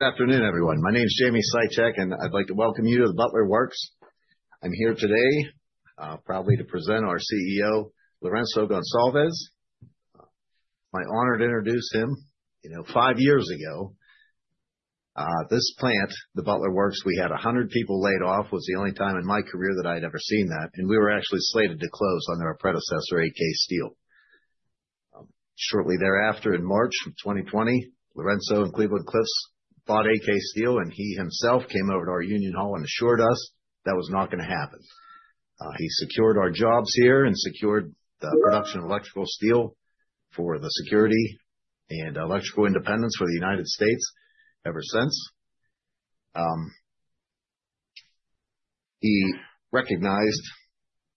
Good afternoon, everyone. My name is Jamie Sychak, and I'd like to welcome you to the Butler Works. I'm here today probably to present our CEO, Lourenco Goncalves. I'm honored to introduce him, you know. Five years ago, this plant, the Butler Works, we had 100 people laid off. It was the only time in my career that I'd ever seen that. We were actually slated to close under our predecessor, AK Steel. Shortly thereafter, in March 2020, Lourenco and Cleveland-Cliffs bought AK Steel, and he himself came over to our union hall and assured us that was not going to happen. He secured our jobs here and secured the production of electrical steel for the security and electrical independence for the United States ever since. He recognized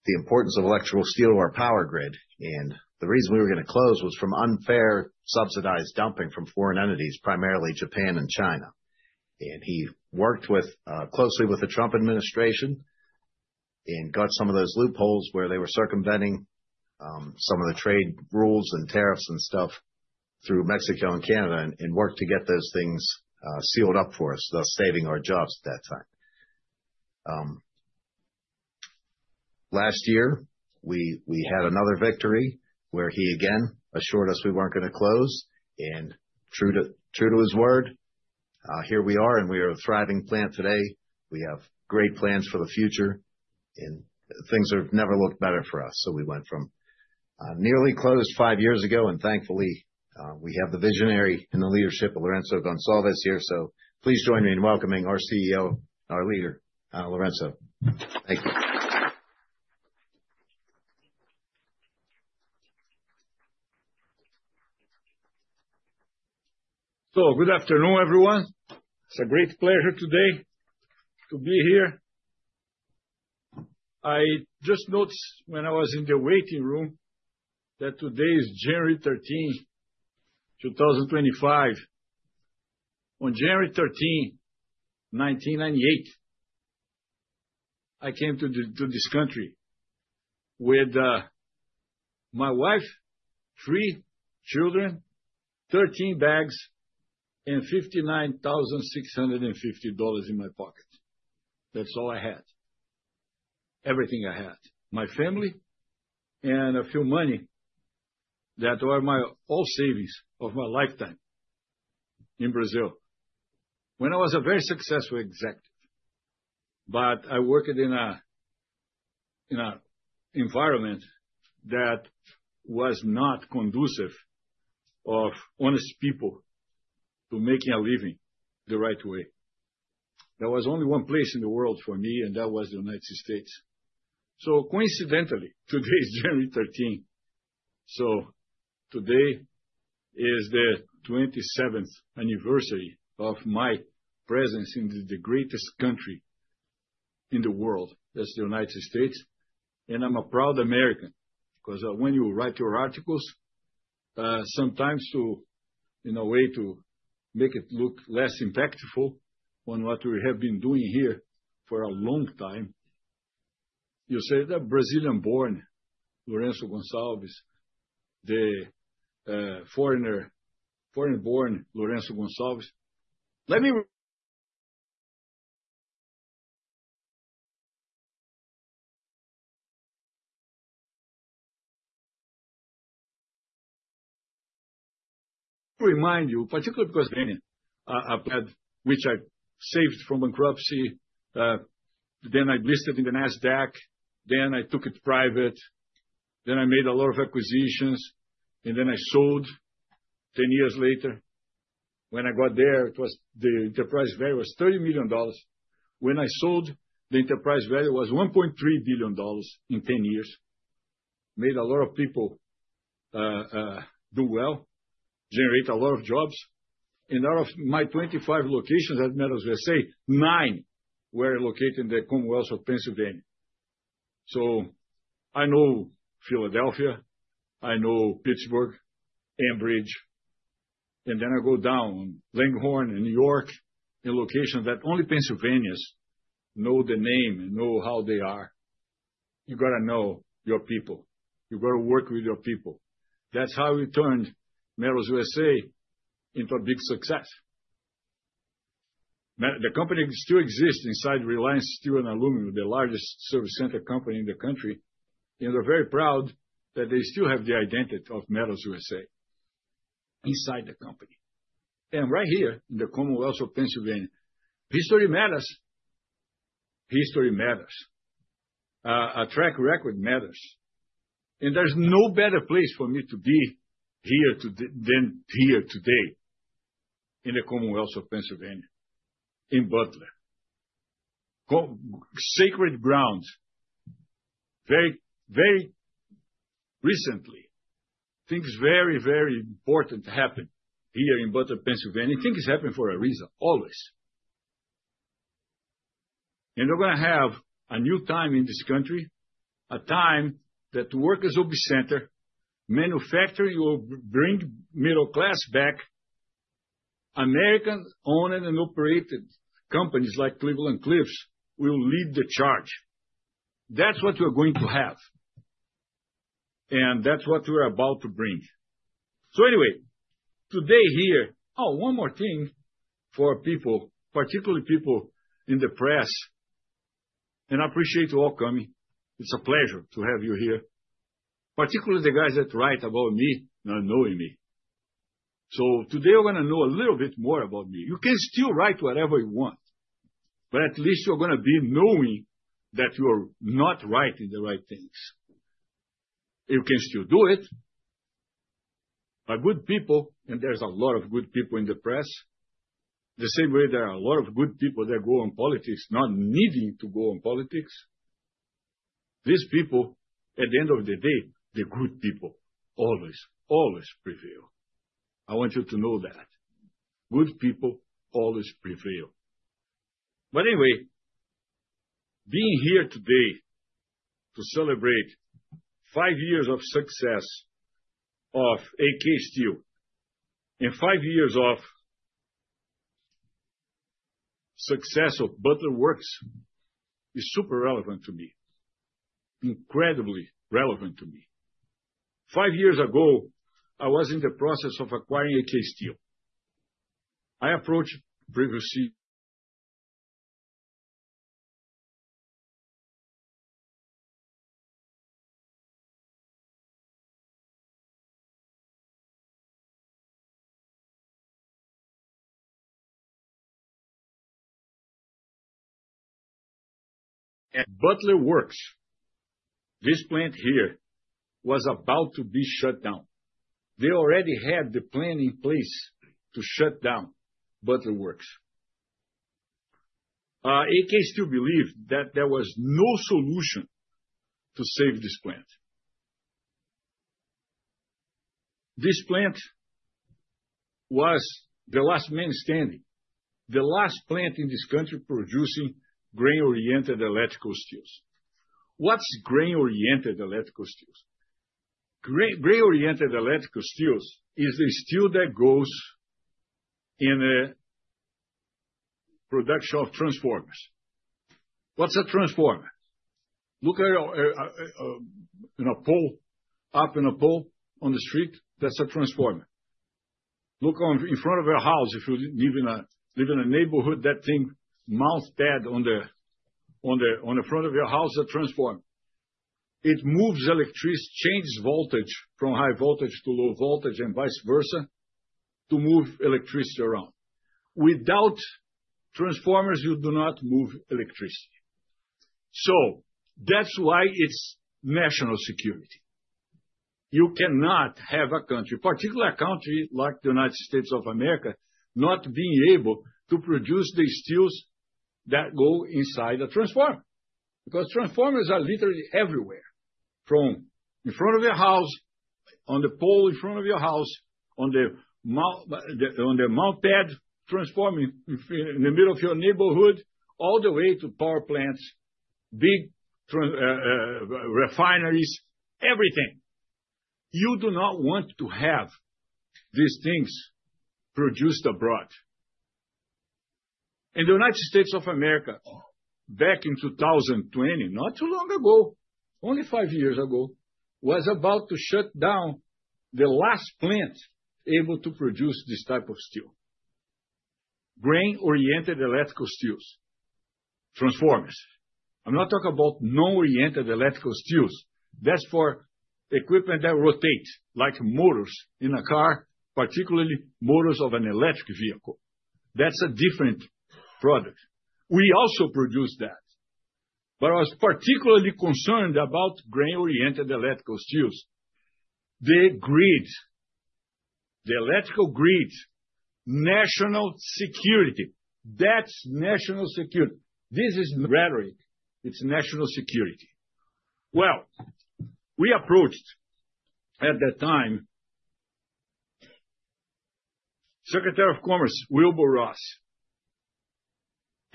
the importance of electrical steel to our power grid, and the reason we were going to close was from unfair subsidized dumping from foreign entities, primarily Japan and China. And he worked closely with the Trump administration and got some of those loopholes where they were circumventing some of the trade rules and tariffs and stuff through Mexico and Canada and worked to get those things sealed up for us, thus saving our jobs at that time. Last year, we had another victory where he again assured us we weren't going to close. And true to his word, here we are, and we are a thriving plant today. We have great plans for the future, and things have never looked better for us. So we went from nearly closed five years ago, and thankfully, we have the visionary in the leadership of Lourenco Goncalves here. So please join me in welcoming our CEO, our leader, Lourenco. Thank you. So, good afternoon, everyone. It's a great pleasure today to be here. I just noticed when I was in the waiting room that today is January 13, 2025. On January 13, 1998, I came to this country with my wife, three children, 13 bags, and $59,650 in my pocket. That's all I had, everything I had, my family and a few money that were my all savings of my lifetime in Brazil. When I was a very successful executive, but I worked in an environment that was not conducive for honest people to making a living the right way. There was only one place in the world for me, and that was the United States. So coincidentally, today is January 13. So today is the 27th anniversary of my presence in the greatest country in the world, that's the United States. I'm a proud American because when you write your articles, sometimes to, in a way, to make it look less impactful on what we have been doing here for a long time, you say, "The Brazilian-born Lourenco Goncalves, the foreign-born Lourenco Goncalves." Let me remind you, particularly because I had which I saved from bankruptcy, then I listed in the NASDAQ, then I took it private, then I made a lot of acquisitions, and then I sold 10 years later. When I got there, the enterprise value was $30 million. When I sold, the enterprise value was $1.3 billion in 10 years. Made a lot of people do well, generate a lot of jobs. Out of my 25 locations at Metals USA, nine were located in the Commonwealth of Pennsylvania. So I know Philadelphia, I know Pittsburgh, Ambridge, and then I go down, Langhorne, and New York, and locations that only Pennsylvanians know the name and know how they are. You got to know your people. You got to work with your people. That's how we turned Metals USA into a big success. The company still exists inside Reliance Steel and Aluminum, the largest service center company in the country. And we're very proud that they still have the identity of Metals USA inside the company. And right here in the Commonwealth of Pennsylvania, history matters. History matters. A track record matters. And there's no better place for me to be here than here today in the Commonwealth of Pennsylvania, in Butler. Sacred ground. Very, very recently, things very, very important happened here in Butler, Pennsylvania. Things happen for a reason, always. And we're going to have a new time in this country, a time that workers will be center, manufacturing will bring middle class back, American-owned and operated companies like Cleveland-Cliffs will lead the charge. That's what we're going to have, and that's what we're about to bring. So anyway, today here. Oh, one more thing for people, particularly people in the press, and I appreciate you all coming. It's a pleasure to have you here, particularly the guys that write about me not knowing me. So today you're going to know a little bit more about me. You can still write whatever you want, but at least you're going to be knowing that you're not writing the right things. You can still do it. But good people, and there's a lot of good people in the press, the same way there are a lot of good people that go on politics not needing to go on politics. These people, at the end of the day, the good people always, always prevail. I want you to know that. Good people always prevail. But anyway, being here today to celebrate five years of success of AK Steel and five years of success of Butler Works is super relevant to me, incredibly relevant to me. Five years ago, I was in the process of acquiring AK Steel. I approached previously. At Butler Works, this plant here was about to be shut down. They already had the plan in place to shut down Butler Works. AK Steel believed that there was no solution to save this plant. This plant was the last man standing, the last plant in this country producing grain-oriented electrical steel. What's grain-oriented electrical steel? Grain-oriented electrical steel is the steel that goes in the production of transformers. What's a transformer? Look at a pole, up in a pole on the street, that's a transformer. Look in front of your house, if you live in a neighborhood, that thing, pad mount on the front of your house, a transformer. It moves electricity, changes voltage from high voltage to low voltage and vice versa to move electricity around. Without transformers, you do not move electricity. So that's why it's national security. You cannot have a country, particularly a country like the United States of America, not being able to produce the steels that go inside a transformer because transformers are literally everywhere, from in front of your house, on the pole in front of your house, on the mount pad transforming in the middle of your neighborhood, all the way to power plants, big refineries, everything. You do not want to have these things produced abroad, and the United States of America, back in 2020, not too long ago, only five years ago, was about to shut down the last plant able to produce this type of steel, grain-oriented electrical steels, transformers. I'm not talking about non-oriented electrical steels. That's for equipment that rotates like motors in a car, particularly motors of an electric vehicle. That's a different product. We also produce that. But I was particularly concerned about grain-oriented electrical steels, the grids, the electrical grids, national security. That's national security. This is rhetoric. It's national security. Well, we approached at that time Secretary of Commerce, Wilbur Ross.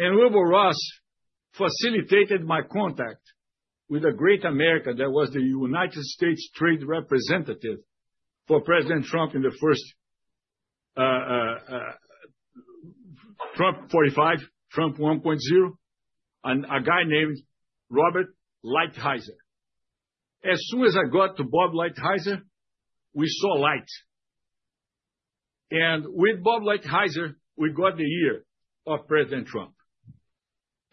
And Wilbur Ross facilitated my contact with a great American that was the United States Trade Representative for President Trump in the first Trump 45, Trump 1.0, a guy named Robert Lighthizer. As soon as I got to Bob Lighthizer, we saw light. And with Bob Lighthizer, we got the ear of President Trump.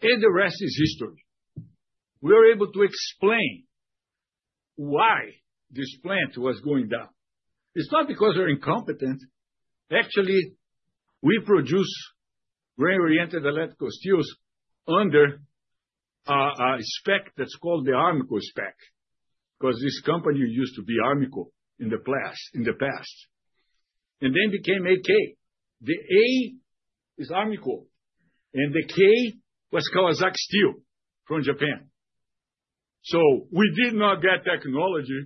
And the rest is history. We were able to explain why this plant was going down. It's not because we're incompetent. Actually, we produce grain-oriented electrical steels under a spec that's called the ARMCO spec because this company used to be ARMCO in the past. And then became AK. The A is ARMCO, and the K was Kawasaki Steel from Japan. So we did not get technology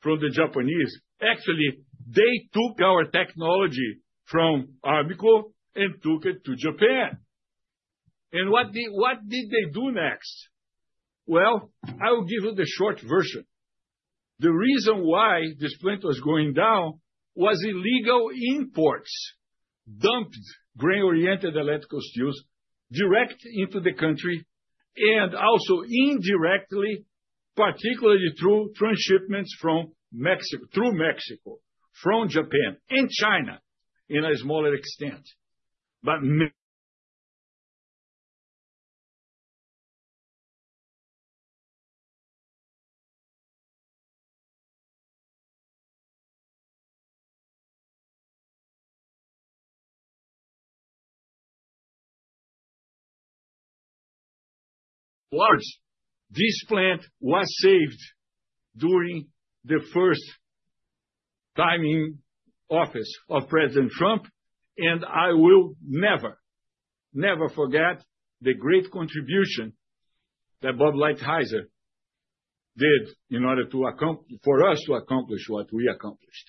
from the Japanese. Actually, they took our technology from ARMCO and took it to Japan. And what did they do next? Well, I will give you the short version. The reason why this plant was going down was illegal imports, dumped grain-oriented electrical steels directly into the country and also indirectly, particularly through shipments from Mexico, from Japan, and China to a smaller extent. But this large plant was saved during the first time in office of President Trump, and I will never, never forget the great contribution that Bob Lighthizer did in order for us to accomplish what we accomplished.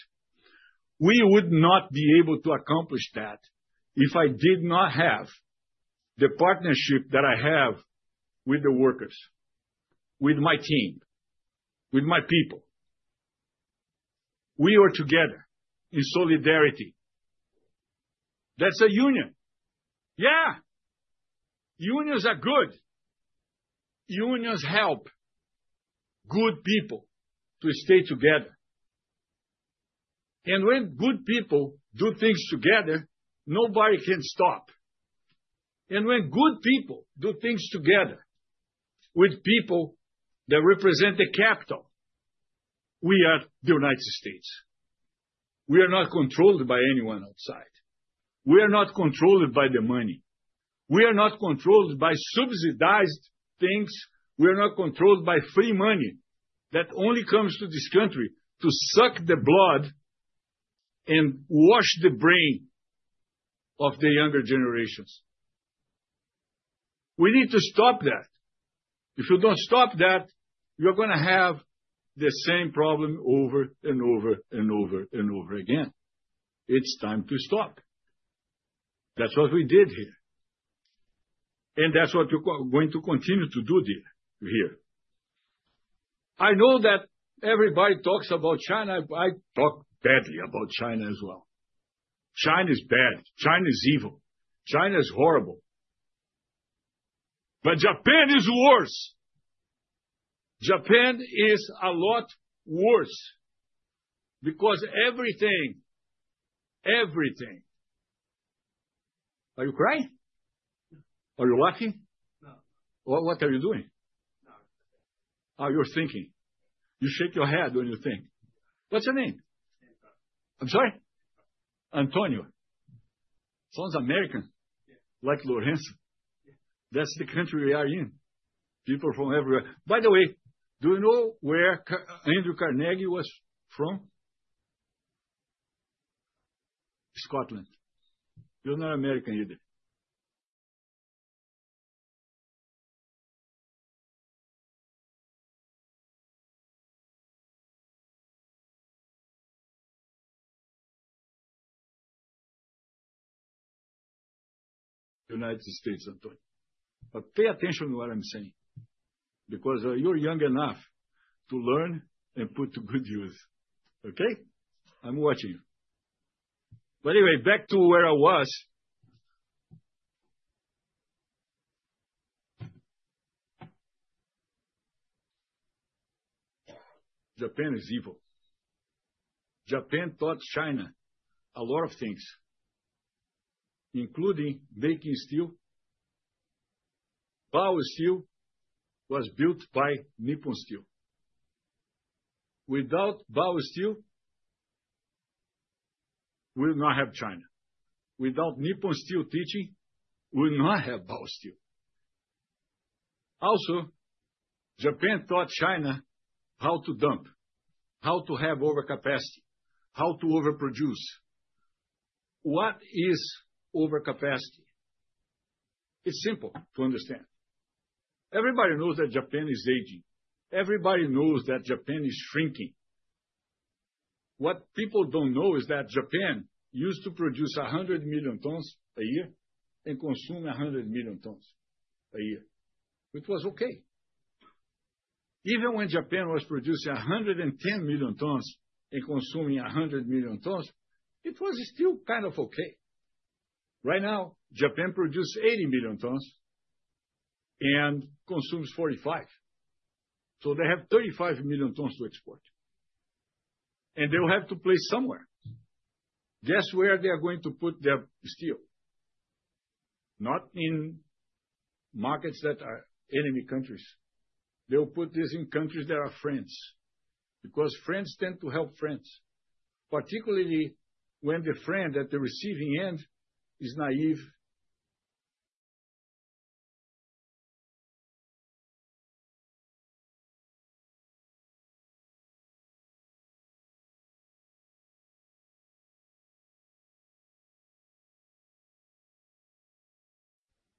We would not be able to accomplish that if I did not have the partnership that I have with the workers, with my team, with my people. We are together in solidarity. That's a union. Yeah. Unions are good. Unions help good people to stay together. And when good people do things together, nobody can stop. And when good people do things together with people that represent the capital, we are the United States. We are not controlled by anyone outside. We are not controlled by the money. We are not controlled by subsidized things. We are not controlled by free money that only comes to this country to suck the blood and wash the brain of the younger generations. We need to stop that. If you don't stop that, you're going to have the same problem over and over and over and over again. It's time to stop. That's what we did here. And that's what we're going to continue to do here. I know that everybody talks about China. I talk badly about China as well. China is bad. China is evil. China is horrible. But Japan is worse. Japan is a lot worse because everything, everything. Are you crying? Are you laughing? No. What are you doing? Oh, you're thinking. You shake your head when you think. What's your name? Antonio. I'm sorry? Antonio. Antonio. Sounds American. Yeah. Like Lourenco. Yeah. That's the country we are in. People from everywhere. By the way, do you know where Andrew Carnegie was from? Scotland. You're not American either. United States, Antonio. But pay attention to what I'm saying because you're young enough to learn and put to good use. Okay? I'm watching you. But anyway, back to where I was. Japan is evil. Japan taught China a lot of things, including making steel. Baosteel was built by Nippon Steel. Without Baosteel, we will not have China. Without Nippon Steel, we will not have U.S. Steel. Also, Japan taught China how to dump, how to have overcapacity, how to overproduce. What is overcapacity? It's simple to understand. Everybody knows that Japan is aging. Everybody knows that Japan is shrinking. What people don't know is that Japan used to produce 100 million tons a year and consume 100 million tons a year, which was okay. Even when Japan was producing 110 million tons and consuming 100 million tons, it was still kind of okay. Right now, Japan produces 80 million tons and consumes 45. So they have 35 million tons to export. And they'll have to place somewhere. Guess where they are going to put their steel? Not in markets that are enemy countries. They'll put this in countries that are friends because friends tend to help friends, particularly when the friend at the receiving end is naive.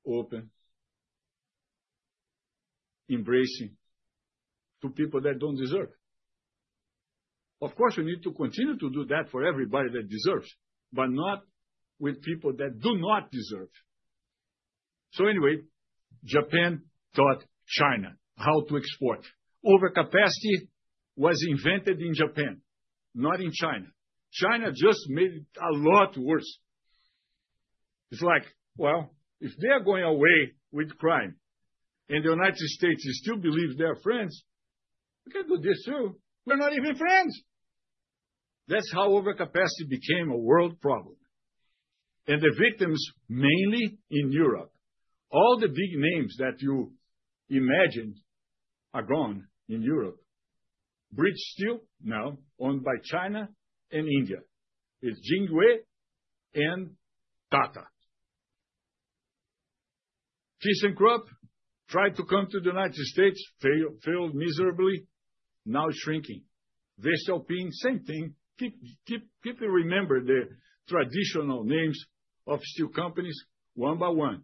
Openly embracing people that don't deserve. Of course, we need to continue to do that for everybody that deserves, but not with people that do not deserve. So anyway, Japan taught China how to export. Overcapacity was invented in Japan, not in China. China just made it a lot worse. It's like, well, if they are going away with crime and the United States still believes they are friends, we can do this too. We're not even friends. That's how overcapacity became a world problem. The victims, mainly in Europe. All the big names that you imagined are gone in Europe. British Steel, now owned by China and India. It's Jingye and Tata. Kawasaki Steel tried to come to the United States, failed miserably, now shrinking. Voestalpine, same thing. Can you remember the traditional names of steel companies one by one.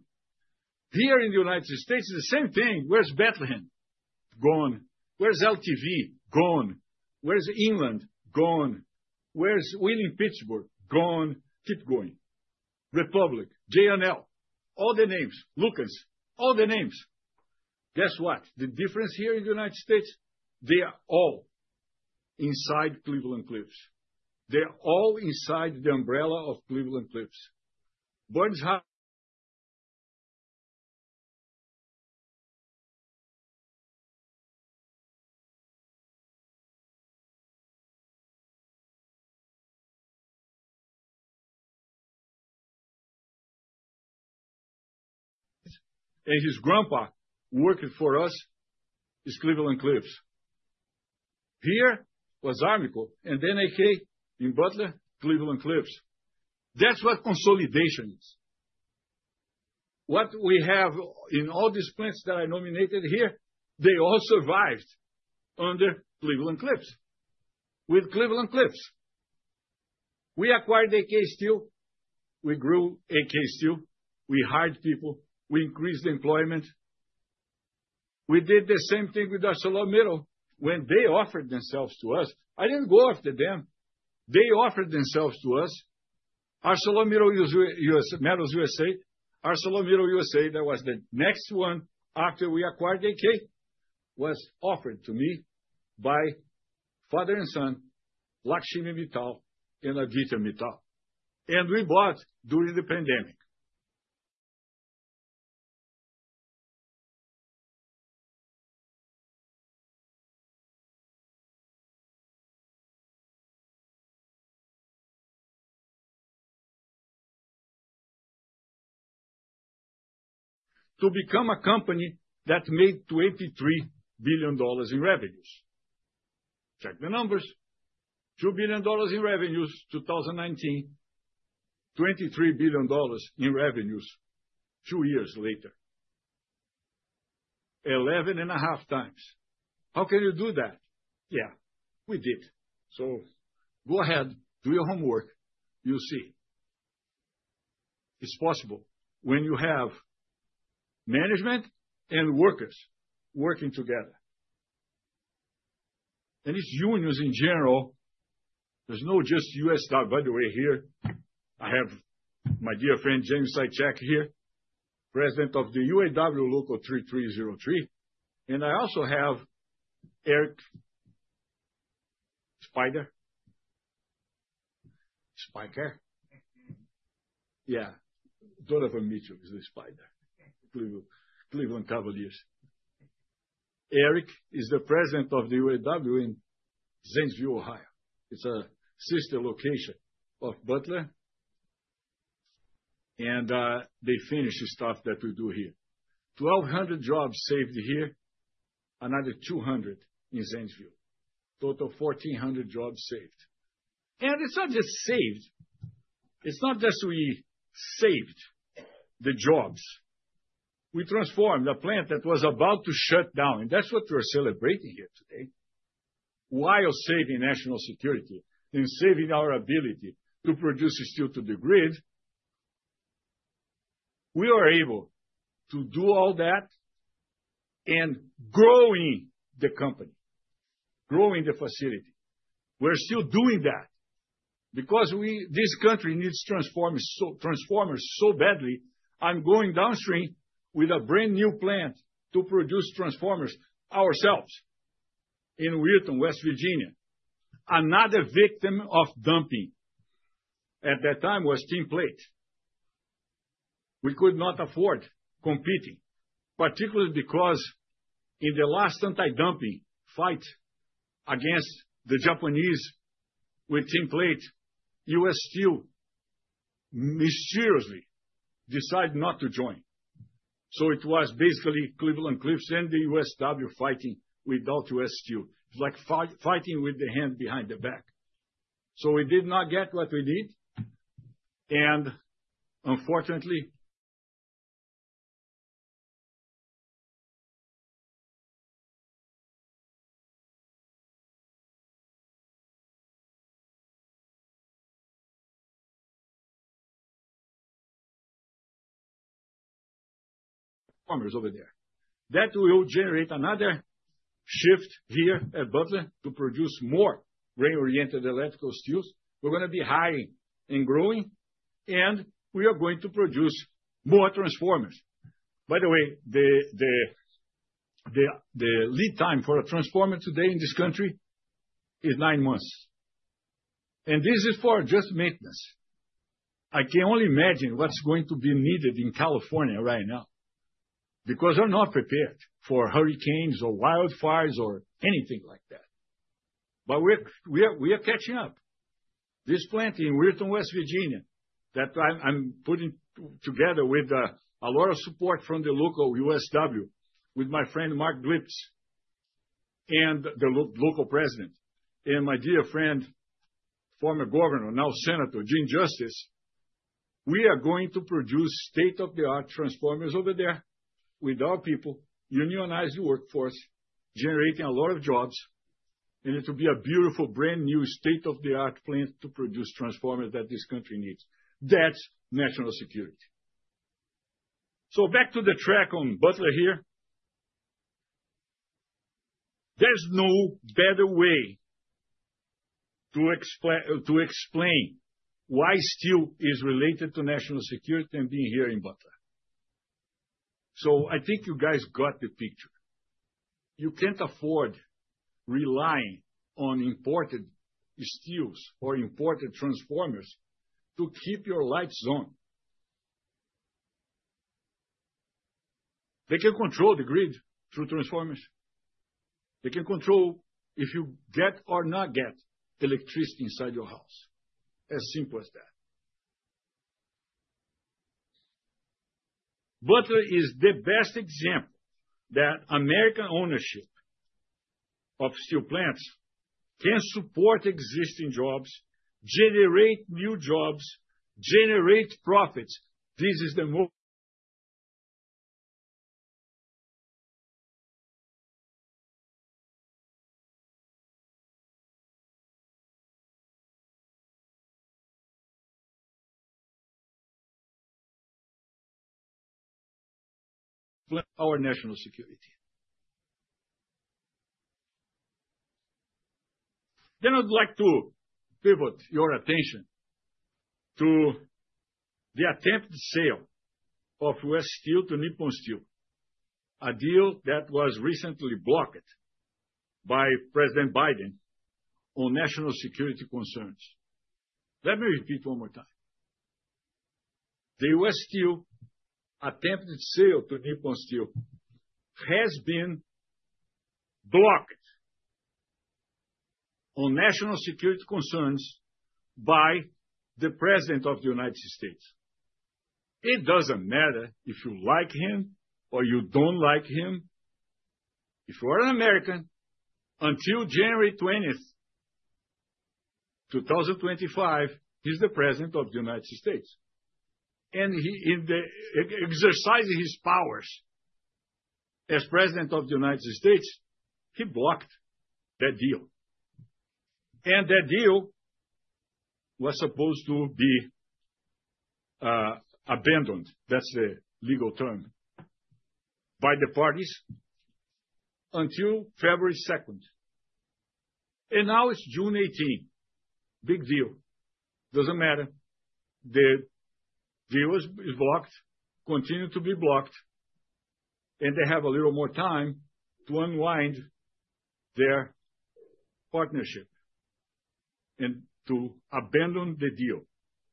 Here in the United States, the same thing. Where's Bethlehem? Gone. Where's LTV? Gone. Where's Inland? Gone. Where's Wheeling-Pittsburgh? Gone. Keep going. Republic, J&L, all the names, Lukens, all the names. Guess what? The difference here in the United States, they are all inside Cleveland-Cliffs. They're all inside the umbrella of Cleveland-Cliffs. And his grandpa working for us is Cleveland-Cliffs. Here was Armco and then AK in Butler, Cleveland-Cliffs. That's what consolidation is. What we have in all these plants that are nominated here, they all survived under Cleveland-Cliffs. With Cleveland-Cliffs, we acquired AK Steel. We grew AK Steel. We hired people. We increased employment. We did the same thing with ArcelorMittal when they offered themselves to us. I didn't go after them. They offered themselves to us. ArcelorMittal USA, ArcelorMittal USA, that was the next one after we acquired AK, was offered to me by father and son, Lakshmi Mittal and Aditya Mittal, and we bought during the pandemic. To become a company that made $23 billion in revenues. Check the numbers. $2 billion in revenues 2019, $23 billion in revenues two years later. 11 and a half times. How can you do that? Yeah, we did. So go ahead, do your homework. You'll see. It's possible when you have management and workers working together, and it's unions in general. There's no just USW talk. By the way, here I have my dear friend Jamie Sychak here, president of the UAW Local 3303. And I also have Eric Spiker. Spiker? Yeah. Donovan Mitchell is the spider. Cleveland Cavaliers. Eric is the president of the UAW in Zanesville, Ohio. It's a sister location of Butler. They finish the stuff that we do here. 1,200 jobs saved here, another 200 in Zanesville. Total 1,400 jobs saved. It's not just saved. It's not just we saved the jobs. We transformed a plant that was about to shut down. That's what we're celebrating here today. While saving national security and saving our ability to produce steel to the grid, we are able to do all that and growing the company, growing the facility. We're still doing that because this country needs transformers so badly. I'm going downstream with a brand new plant to produce transformers ourselves in Weirton, West Virginia. Another victim of dumping at that time was tinplate. We could not afford competing, particularly because in the last anti-dumping fight against the Japanese with tinplate, U.S. Steel mysteriously decided not to join. So it was basically Cleveland-Cliffs and the USW fighting without U.S. Steel. It's like fighting with the hand behind the back. So we did not get what we need. And, unfortunately, transformers over there that will generate another shift here at Butler to produce more grain-oriented electrical steels. We're going to be high and growing, and we are going to produce more transformers. By the way, the lead time for a transformer today in this country is nine months. And this is for just maintenance. I can only imagine what's going to be needed in California right now because we're not prepared for hurricanes or wildfires or anything like that. But we are catching up. This plant in Weirton, West Virginia, that I'm putting together with a lot of support from the local USW, with my friend Mark Glyptis and the local president, and my dear friend, former governor, now senator, Jim Justice, we are going to produce state-of-the-art transformers over there with our people, unionize the workforce, generating a lot of jobs, and it will be a beautiful, brand new state-of-the-art plant to produce transformers that this country needs. That's national security. So back to the track on Butler here. There's no better way to explain why steel is related to national security than being here in Butler. So I think you guys got the picture. You can't afford relying on imported steels or imported transformers to keep your lights on. They can control the grid through transformers. They can control if you get or not get electricity inside your house. As simple as that. Butler is the best example that American ownership of steel plants can support existing jobs, generate new jobs, generate profits. This is the most. Our national security. Then I'd like to pivot your attention to the attempted sale of U.S. Steel to Nippon Steel, a deal that was recently blocked by President Biden on national security concerns. Let me repeat one more time. The U.S. Steel attempted sale to Nippon Steel has been blocked on national security concerns by the President of the United States. It doesn't matter if you like him or you don't like him. If you are an American, until January 20th, 2025, he's the President of the United States. And in exercising his powers as President of the United States, he blocked that deal. And that deal was supposed to be abandoned, that's the legal term, by the parties until February 2nd. And now it's June 18th. Big deal. Doesn't matter. The deal is blocked, continued to be blocked, and they have a little more time to unwind their partnership and to abandon the deal.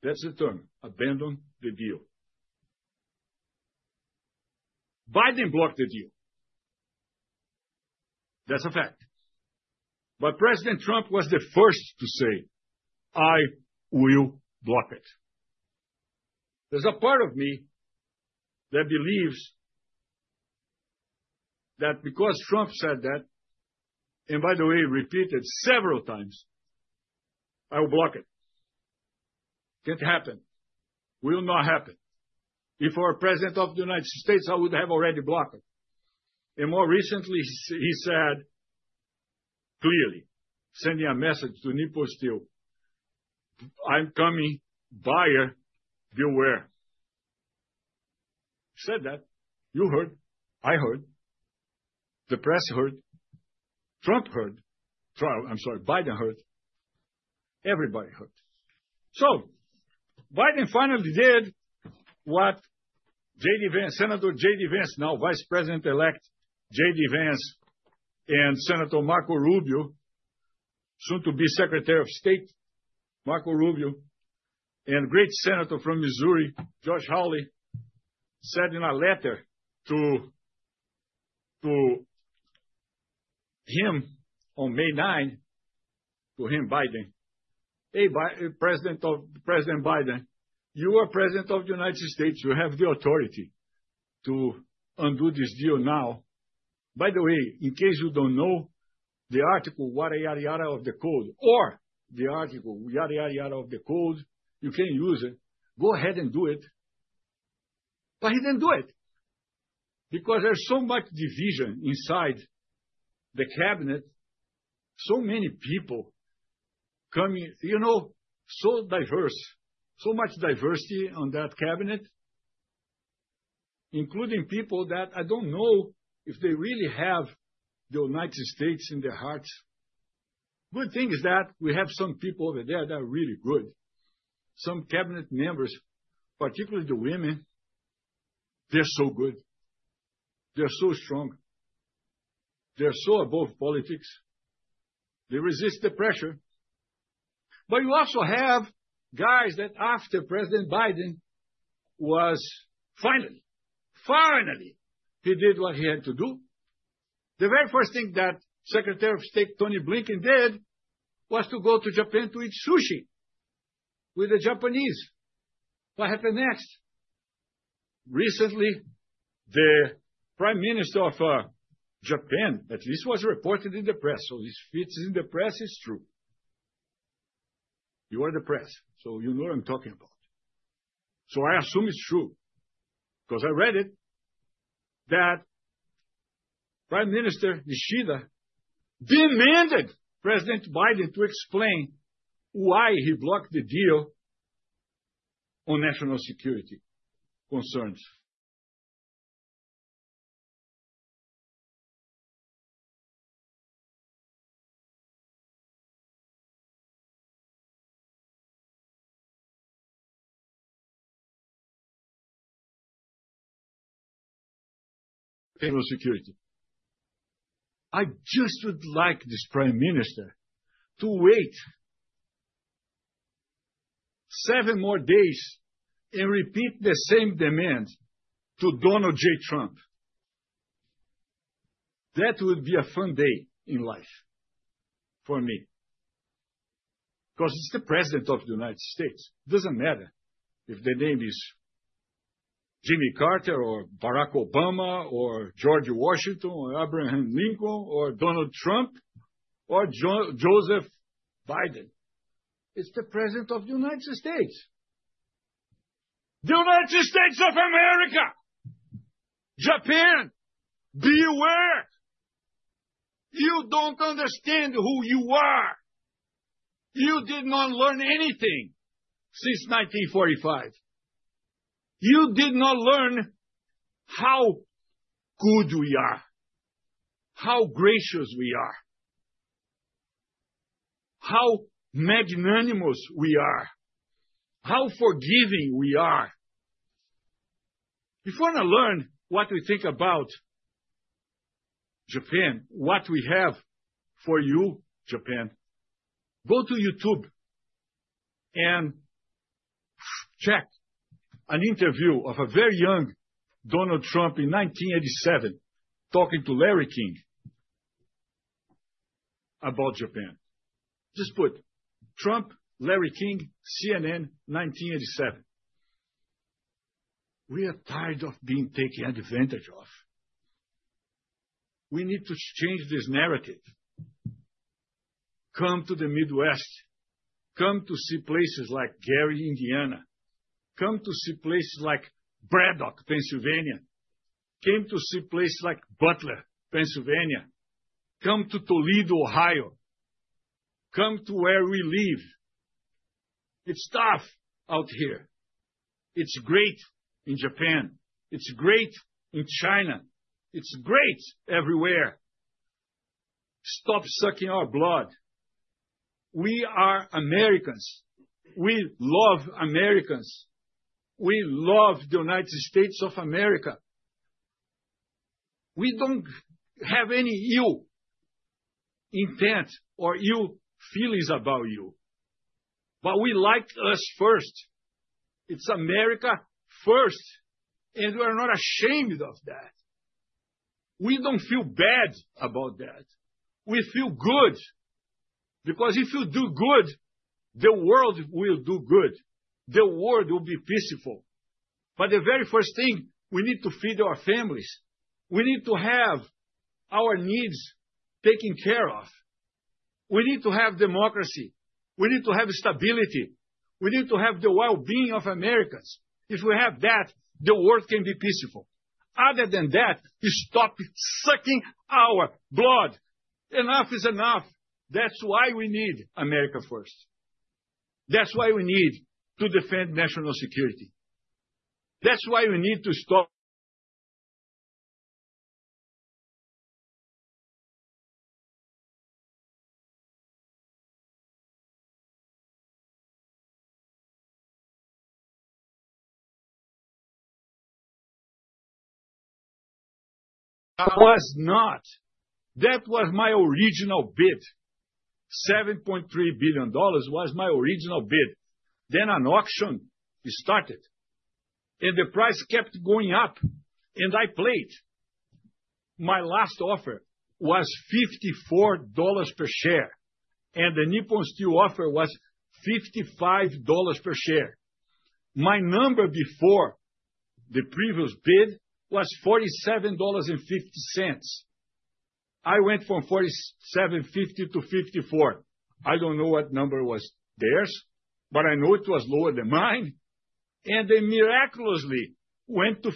That's the term, abandon the deal. Biden blocked the deal. That's a fact. But President Trump was the first to say, "I will block it." There's a part of me that believes that because Trump said that, and by the way, repeated several times, "I will block it." Can't happen. Will not happen. If I were president of the United States, I would have already blocked it. And more recently, he said clearly, sending a message to Nippon Steel, "I'm coming, buyer, beware." Said that. You heard. I heard. The press heard. Trump heard. I'm sorry, Biden heard. Everybody heard. So Biden finally did what JD Vance, Senator JD Vance, now Vice President-elect JD Vance, and Senator Marco Rubio, soon to be Secretary of State, Marco Rubio, and great Senator from Missouri, Josh Hawley, said in a letter to him on May 9, to him, Biden, "Hey, President Biden, you are president of the United States. You have the authority to undo this deal now. By the way, in case you don't know the article yada yada yada of the code or the article yada yada yada of the code, you can use it. Go ahead and do it." But he didn't do it because there's so much division inside the cabinet, so many people coming, you know, so diverse, so much diversity on that cabinet, including people that I don't know if they really have the United States in their hearts. Good thing is that we have some people over there that are really good. Some cabinet members, particularly the women, they're so good. They're so strong. They're so above politics. They resist the pressure. But you also have guys that after President Biden was finally, finally, he did what he had to do. The very first thing that Secretary of State Tony Blinken did was to go to Japan to eat sushi with the Japanese. What happened next? Recently, the Prime Minister of Japan, at least, was reported in the press. So if it's in the press is true. You are the press, so you know what I'm talking about. So I assume it's true because I read it that Prime Minister Kishida demanded President Biden to explain why he blocked the deal on national security concerns. National security. I just would like this Prime Minister to wait seven more days and repeat the same demand to Donald J. Trump. That would be a fun day in life for me because it's the president of the United States. It doesn't matter if the name is Jimmy Carter or Barack Obama or George Washington or Abraham Lincoln or Donald Trump or Joseph Biden. It's the president of the United States. The United States of America, Japan, beware. You don't understand who you are. You did not learn anything since 1945. You did not learn how good we are, how gracious we are, how magnanimous we are, how forgiving we are. If you want to learn what we think about Japan, what we have for you, Japan, go to YouTube and check an interview of a very young Donald Trump in 1987 talking to Larry King about Japan. Just put Trump, Larry King, CNN, 1987. We are tired of being taken advantage of. We need to change this narrative. Come to the Midwest. Come to see places like Gary, Indiana. Come to see places like Braddock, Pennsylvania. Come to see places like Butler, Pennsylvania. Come to Toledo, Ohio. Come to where we live. It's tough out here. It's great in Japan. It's great in China. It's great everywhere. Stop sucking our blood. We are Americans. We love Americans. We love the United States of America. We don't have any ill intent or ill feelings about you. But we like us first. It's America first, and we are not ashamed of that. We don't feel bad about that. We feel good because if you do good, the world will do good. The world will be peaceful. But the very first thing, we need to feed our families. We need to have our needs taken care of. We need to have democracy. We need to have stability. We need to have the well-being of Americans. If we have that, the world can be peaceful. Other than that, stop sucking our blood. Enough is enough. That's why we need America first. That's why we need to defend national security. That's why we need to stop. That was not. That was my original bid. $7.3 billion was my original bid. Then an auction started. And the price kept going up. And I played. My last offer was $54 per share. And the Nippon Steel offer was $55 per share. My number before the previous bid was $47.50. I went from $47.50 to $54. I don't know what number was theirs, but I know it was lower than mine. And they miraculously went to $55.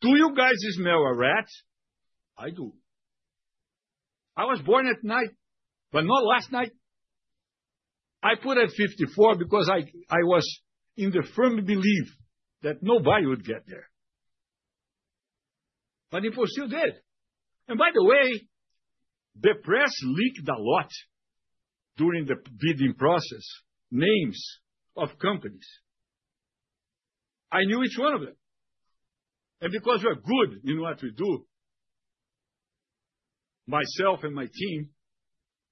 Do you guys smell a rat? I do. I was born at night, but not last night. I put at $54 because I was in the firm belief that nobody would get there. But Nippon Steel did. And by the way, the press leaked a lot during the bidding process, names of companies. I knew each one of them. And because we're good in what we do, myself and my team,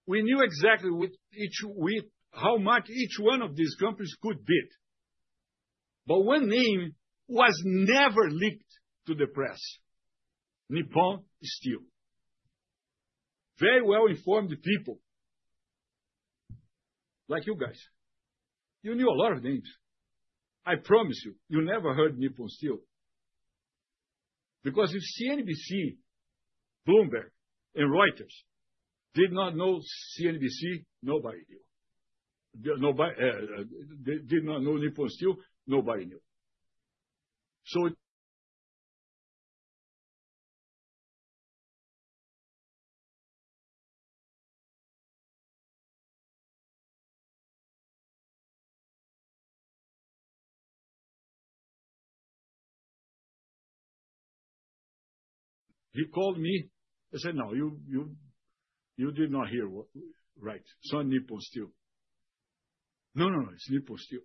we knew exactly how much each one of these companies could bid. But one name was never leaked to the press, Nippon Steel. Very well-informed people like you guys. You knew a lot of names. I promise you, you never heard Nippon Steel. Because if CNBC, Bloomberg, and Reuters did not know, nobody knew. Did not know Nippon Steel, nobody knew. So he called me. I said, "No, you did not hear right. It's not Nippon Steel." "No, no, no. It's Nippon Steel."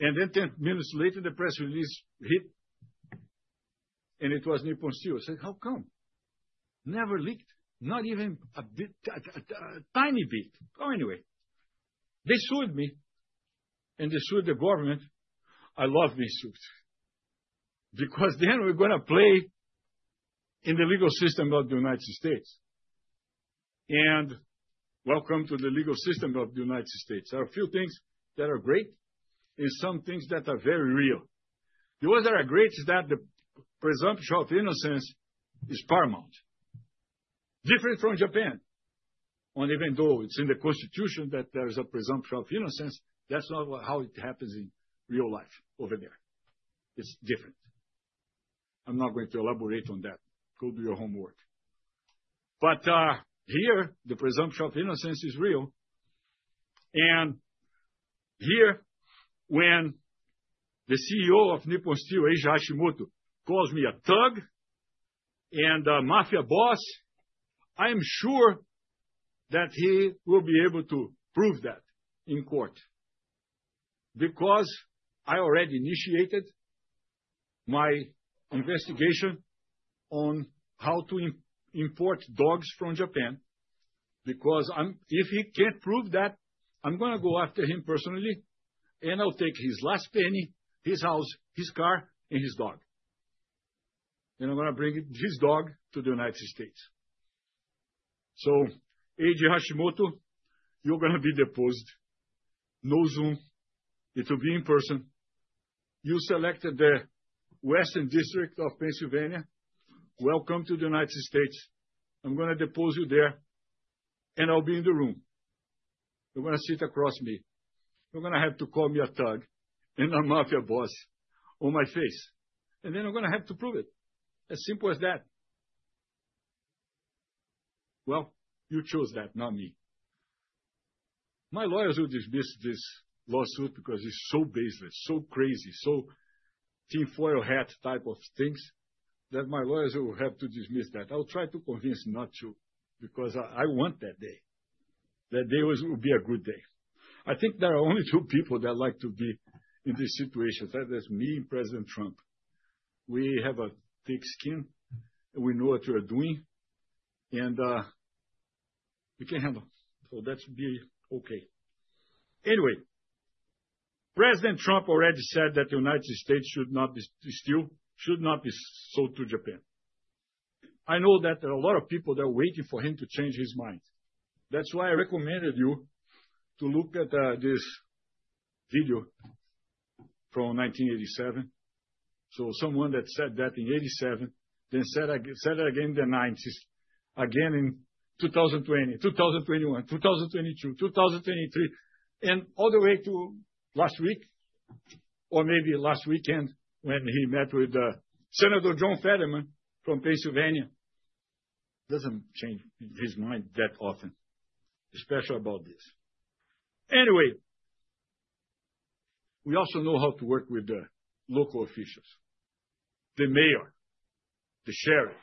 And then 10 minutes later, the press release hit. And it was Nippon Steel. I said, "How come? Never leaked. Not even a tiny bit." Oh, anyway, they sued me. And they sued the government. I love being sued. Because then we're going to play in the legal system of the United States. And welcome to the legal system of the United States. There are a few things that are great and some things that are very real. The ones that are great is that the presumption of innocence is paramount. Different from Japan. And even though it's in the constitution that there is a presumption of innocence, that's not how it happens in real life over there. It's different. I'm not going to elaborate on that. Go do your homework. But here, the presumption of innocence is real. And here, when the CEO of Nippon Steel, Eiji Hashimoto, calls me a thug and a mafia boss, I'm sure that he will be able to prove that in court. Because I already initiated my investigation on how to import dogs from Japan. Because if he can't prove that, I'm going to go after him personally. And I'll take his last penny, his house, his car, and his dog. And I'm going to bring his dog to the United States. So, Eiji Hashimoto, you're going to be deposed. No Zoom. It will be in person. You selected the Western District of Pennsylvania. Welcome to the United States. I'm going to depose you there. And I'll be in the room. You're going to sit across me. You're going to have to call me a thug and a mafia boss to my face. And then I'm going to have to prove it. As simple as that. Well, you chose that, not me. My lawyers will dismiss this lawsuit because it's so baseless, so crazy, so tinfoil hat type of things that my lawyers will have to dismiss that. I'll try to convince them not to because I want that day. That day will be a good day. I think there are only two people that like to be in this situation. That is me and President Trump. We have a thick skin. We know what we're doing. And we can handle. So that should be okay. Anyway, President Trump already said that the United States should not be stolen, should not be sold to Japan. I know that there are a lot of people that are waiting for him to change his mind. That's why I recommended you to look at this video from 1987. So someone that said that in 1987, then said it again in the 1990s, again in 2020, 2021, 2022, 2023, and all the way to last week, or maybe last weekend when he met with Senator John Fetterman from Pennsylvania. Doesn't change his mind that often, especially about this. Anyway, we also know how to work with the local officials, the mayor, the sheriff.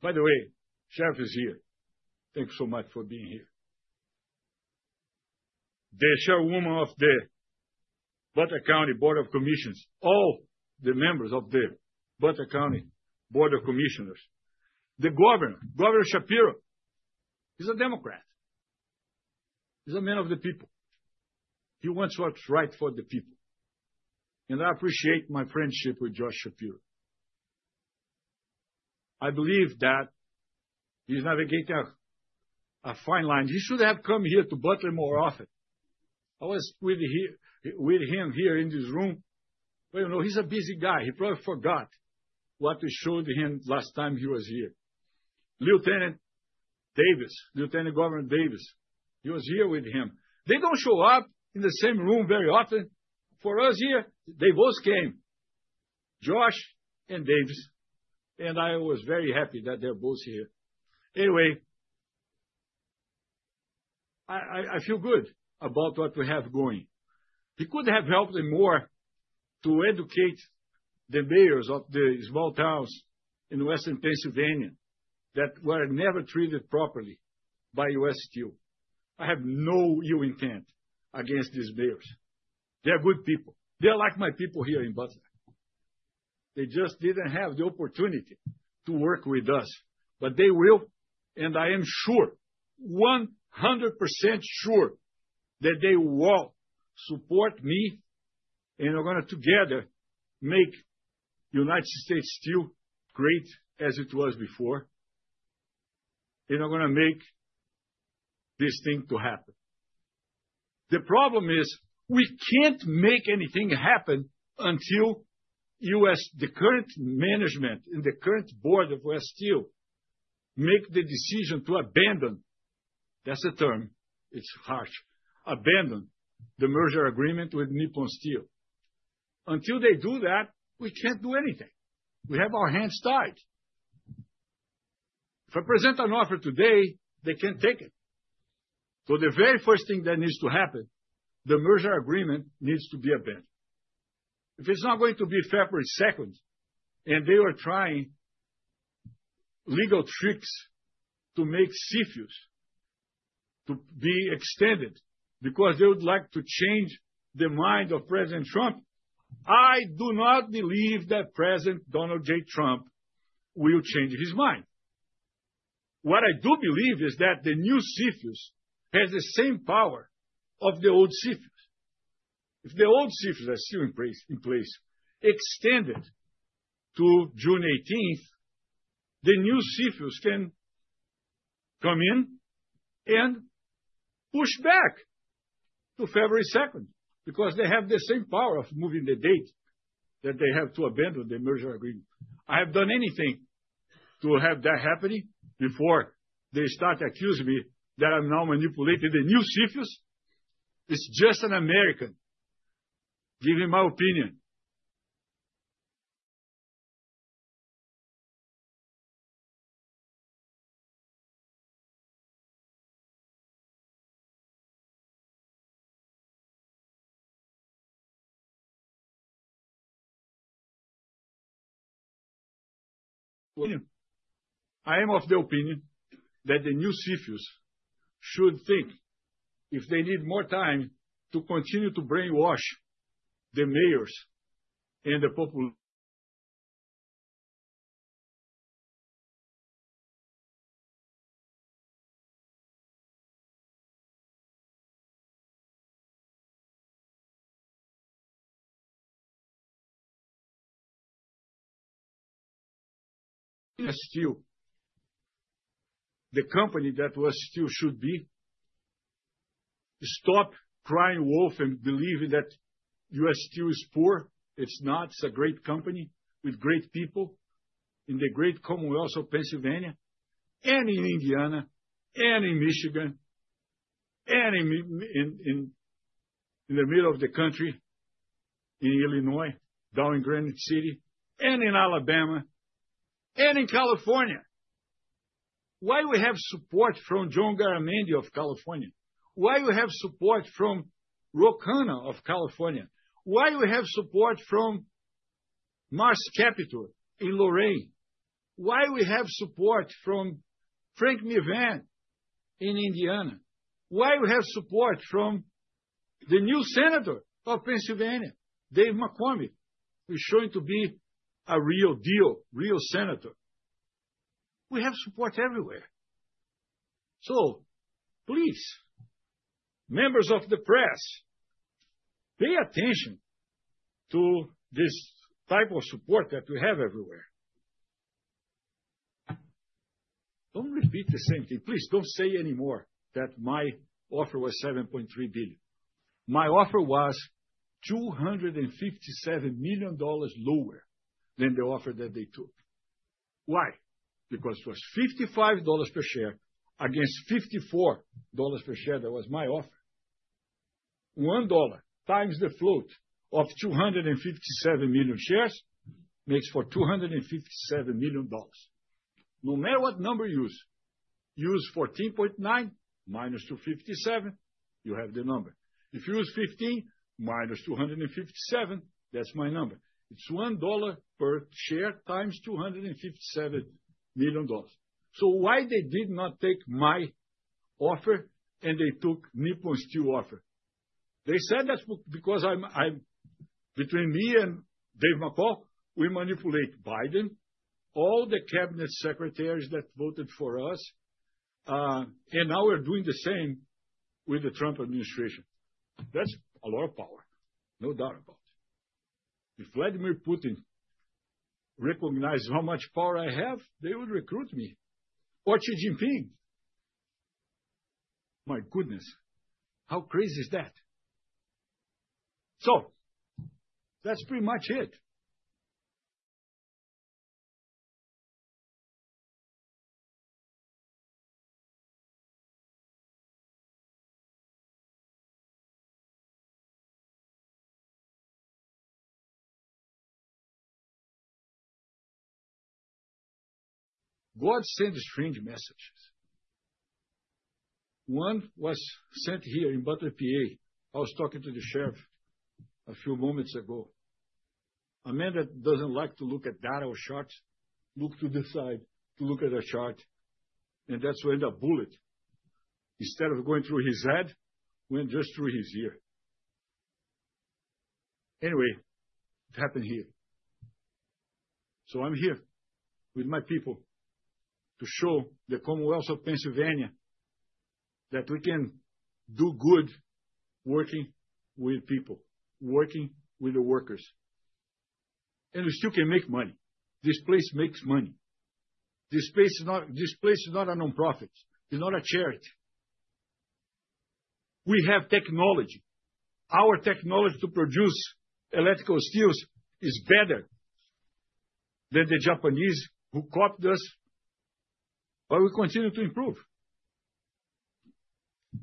By the way, the sheriff is here. Thank you so much for being here. The sheriff, woman of the Butler County Board of Commissioners, all the members of the Butler County Board of Commissioners. The governor, Governor Shapiro, is a Democrat. He's a man of the people. He wants what's right for the people. And I appreciate my friendship with Josh Shapiro. I believe that he's navigating a fine line. He should have come here to Butler more often. I was with him here in this room. But you know, he's a busy guy. He probably forgot what we showed him last time he was here. Lieutenant Davis, Lieutenant Governor Davis, he was here with him. They don't show up in the same room very often. For us here, they both came, Josh and Davis, and I was very happy that they're both here. Anyway, I feel good about what we have going. He could have helped them more to educate the mayors of the small towns in Western Pennsylvania that were never treated properly by U.S. Steel. I have no ill intent against these mayors. They're good people. They're like my people here in Butler. They just didn't have the opportunity to work with us, but they will, and I am sure, 100% sure that they will all support me. And we're going to together make United States Steel great as it was before. And we're going to make this thing to happen. The problem is we can't make anything happen until the current management and the current board of U.S. Steel make the decision to abandon. That's a term. It's harsh. Abandon the merger agreement with Nippon Steel. Until they do that, we can't do anything. We have our hands tied. If I present an offer today, they can't take it. So the very first thing that needs to happen, the merger agreement needs to be abandoned. If it's not going to be February 2nd, and they are trying legal tricks to make CFIUS to be extended because they would like to change the mind of President Trump, I do not believe that President Donald J. Trump will change his mind. What I do believe is that the new CFIUS have the same power of the old CFIUS. If the old CFIUS are still in place, extended to June 18th, the new CFIUS can come in and push back to February 2nd because they have the same power of moving the date that they have to abandon the merger agreement. I haven't done anything to have that happen before they start accusing me that I'm now manipulating the new CFIUS. It's just an American. Giving my opinion. I am of the opinion that the new CFIUS should think if they need more time to continue to brainwash the mayors and the population. U.S. Steel, the company that U.S. Steel should be, stop crying wolf and believing that U.S. Steel is poor. It's not. It's a great company with great people in the great Commonwealth of Pennsylvania and in Indiana and in Michigan and in the middle of the country, in Illinois, down in Granite City, and in Alabama, and in California. Why do we have support from John Garamendi of California? Why do we have support from Ro Khanna of California? Why do we have support from Marcy Kaptur in Lorain? Why do we have support from Frank Mrvan in Indiana? Why do we have support from the new senator of Pennsylvania, Dave McCormick, who is showing to be a real deal, real senator? We have support everywhere. So please, members of the press, pay attention to this type of support that we have everywhere. Don't repeat the same thing. Please don't say anymore that my offer was $7.3 billion. My offer was $257 million lower than the offer that they took. Why? Because it was $55 per share against $54 per share that was my offer. One dollar times the float of 257 million shares makes for $257 million. No matter what number you use, use 14.9 minus 257, you have the number. If you use 15 minus 257, that's my number. It's $1 per share times $257 million. So why did they not take my offer and they took Nippon Steel's offer? They said that's because between me and Dave McCormick, we manipulate Biden, all the cabinet secretaries that voted for us, and now we're doing the same with the Trump administration. That's a lot of power, no doubt about it. If Vladimir Putin recognized how much power I have, they would recruit me. Or Xi Jinping. My goodness, how crazy is that? So that's pretty much it. God sends strange messages. One was sent here in Butler, PA. I was talking to the sheriff a few moments ago. A man that doesn't like to look at data or charts looks to the side to look at a chart, and that's when the bullet, instead of going through his head, went just through his ear. Anyway, it happened here, so I'm here with my people to show the Commonwealth of Pennsylvania that we can do good working with people, working with the workers, and we still can make money. This place makes money. This place is not a nonprofit. It's not a charity. We have technology. Our technology to produce electrical steels is better than the Japanese who copied us, but we continue to improve.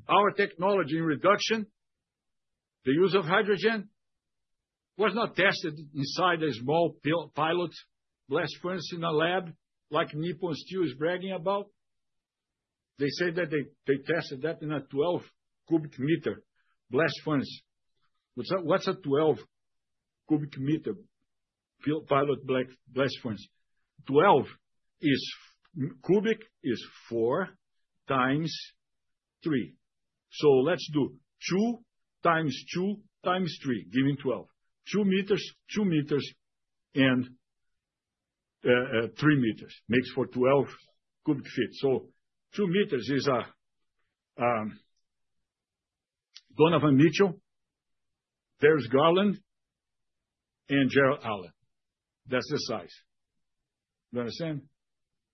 Our technology in reduction, the use of hydrogen, was not tested inside a small pilot blast furnace in a lab like Nippon Steel is bragging about. They say that they tested that in a 12 cubic meter blast furnace. What's a 12 cubic meter pilot blast furnace? 12 cubic is four times three. So let's do two times two times three, giving 12. Two meters, two meters, and three meters makes for 12 cubic feet. So two meters is a Donovan Mitchell, Darius Garland, and Jarrett Allen. That's the size. You understand?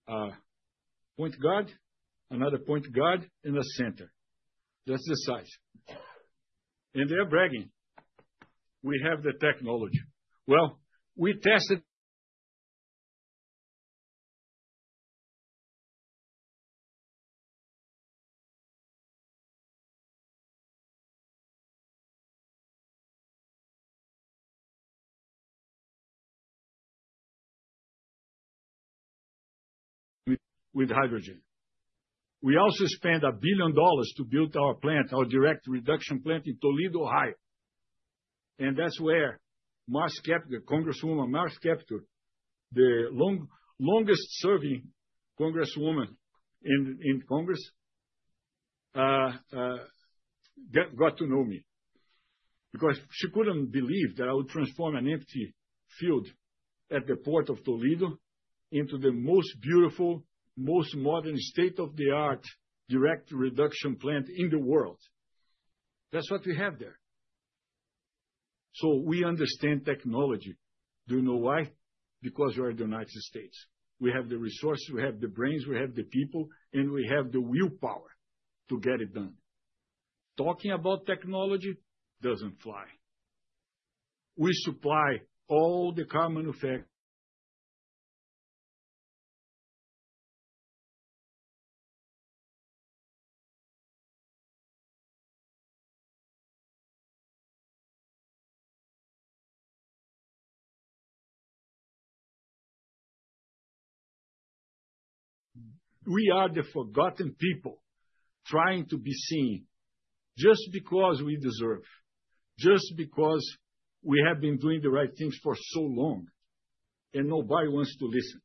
Point guard, another point guard in the center. That's the size. And they're bragging. We have the technology. Well, we tested. With hydrogen. We also spent $1 billion to build our plant, our direct reduction plant in Toledo, Ohio. And that's where Congresswoman Marcy Kaptur, the longest-serving Congresswoman in Congress, got to know me. Because she couldn't believe that I would transform an empty field at the port of Toledo into the most beautiful, most modern, state-of-the-art direct reduction plant in the world. That's what we have there. So we understand technology. Do you know why? Because we're the United States. We have the resources. We have the brains. We have the people. And we have the willpower to get it done. Talking about technology doesn't fly. We supply all the car manufacturers. We are the forgotten people trying to be seen just because we deserve, just because we have been doing the right things for so long, and nobody wants to listen.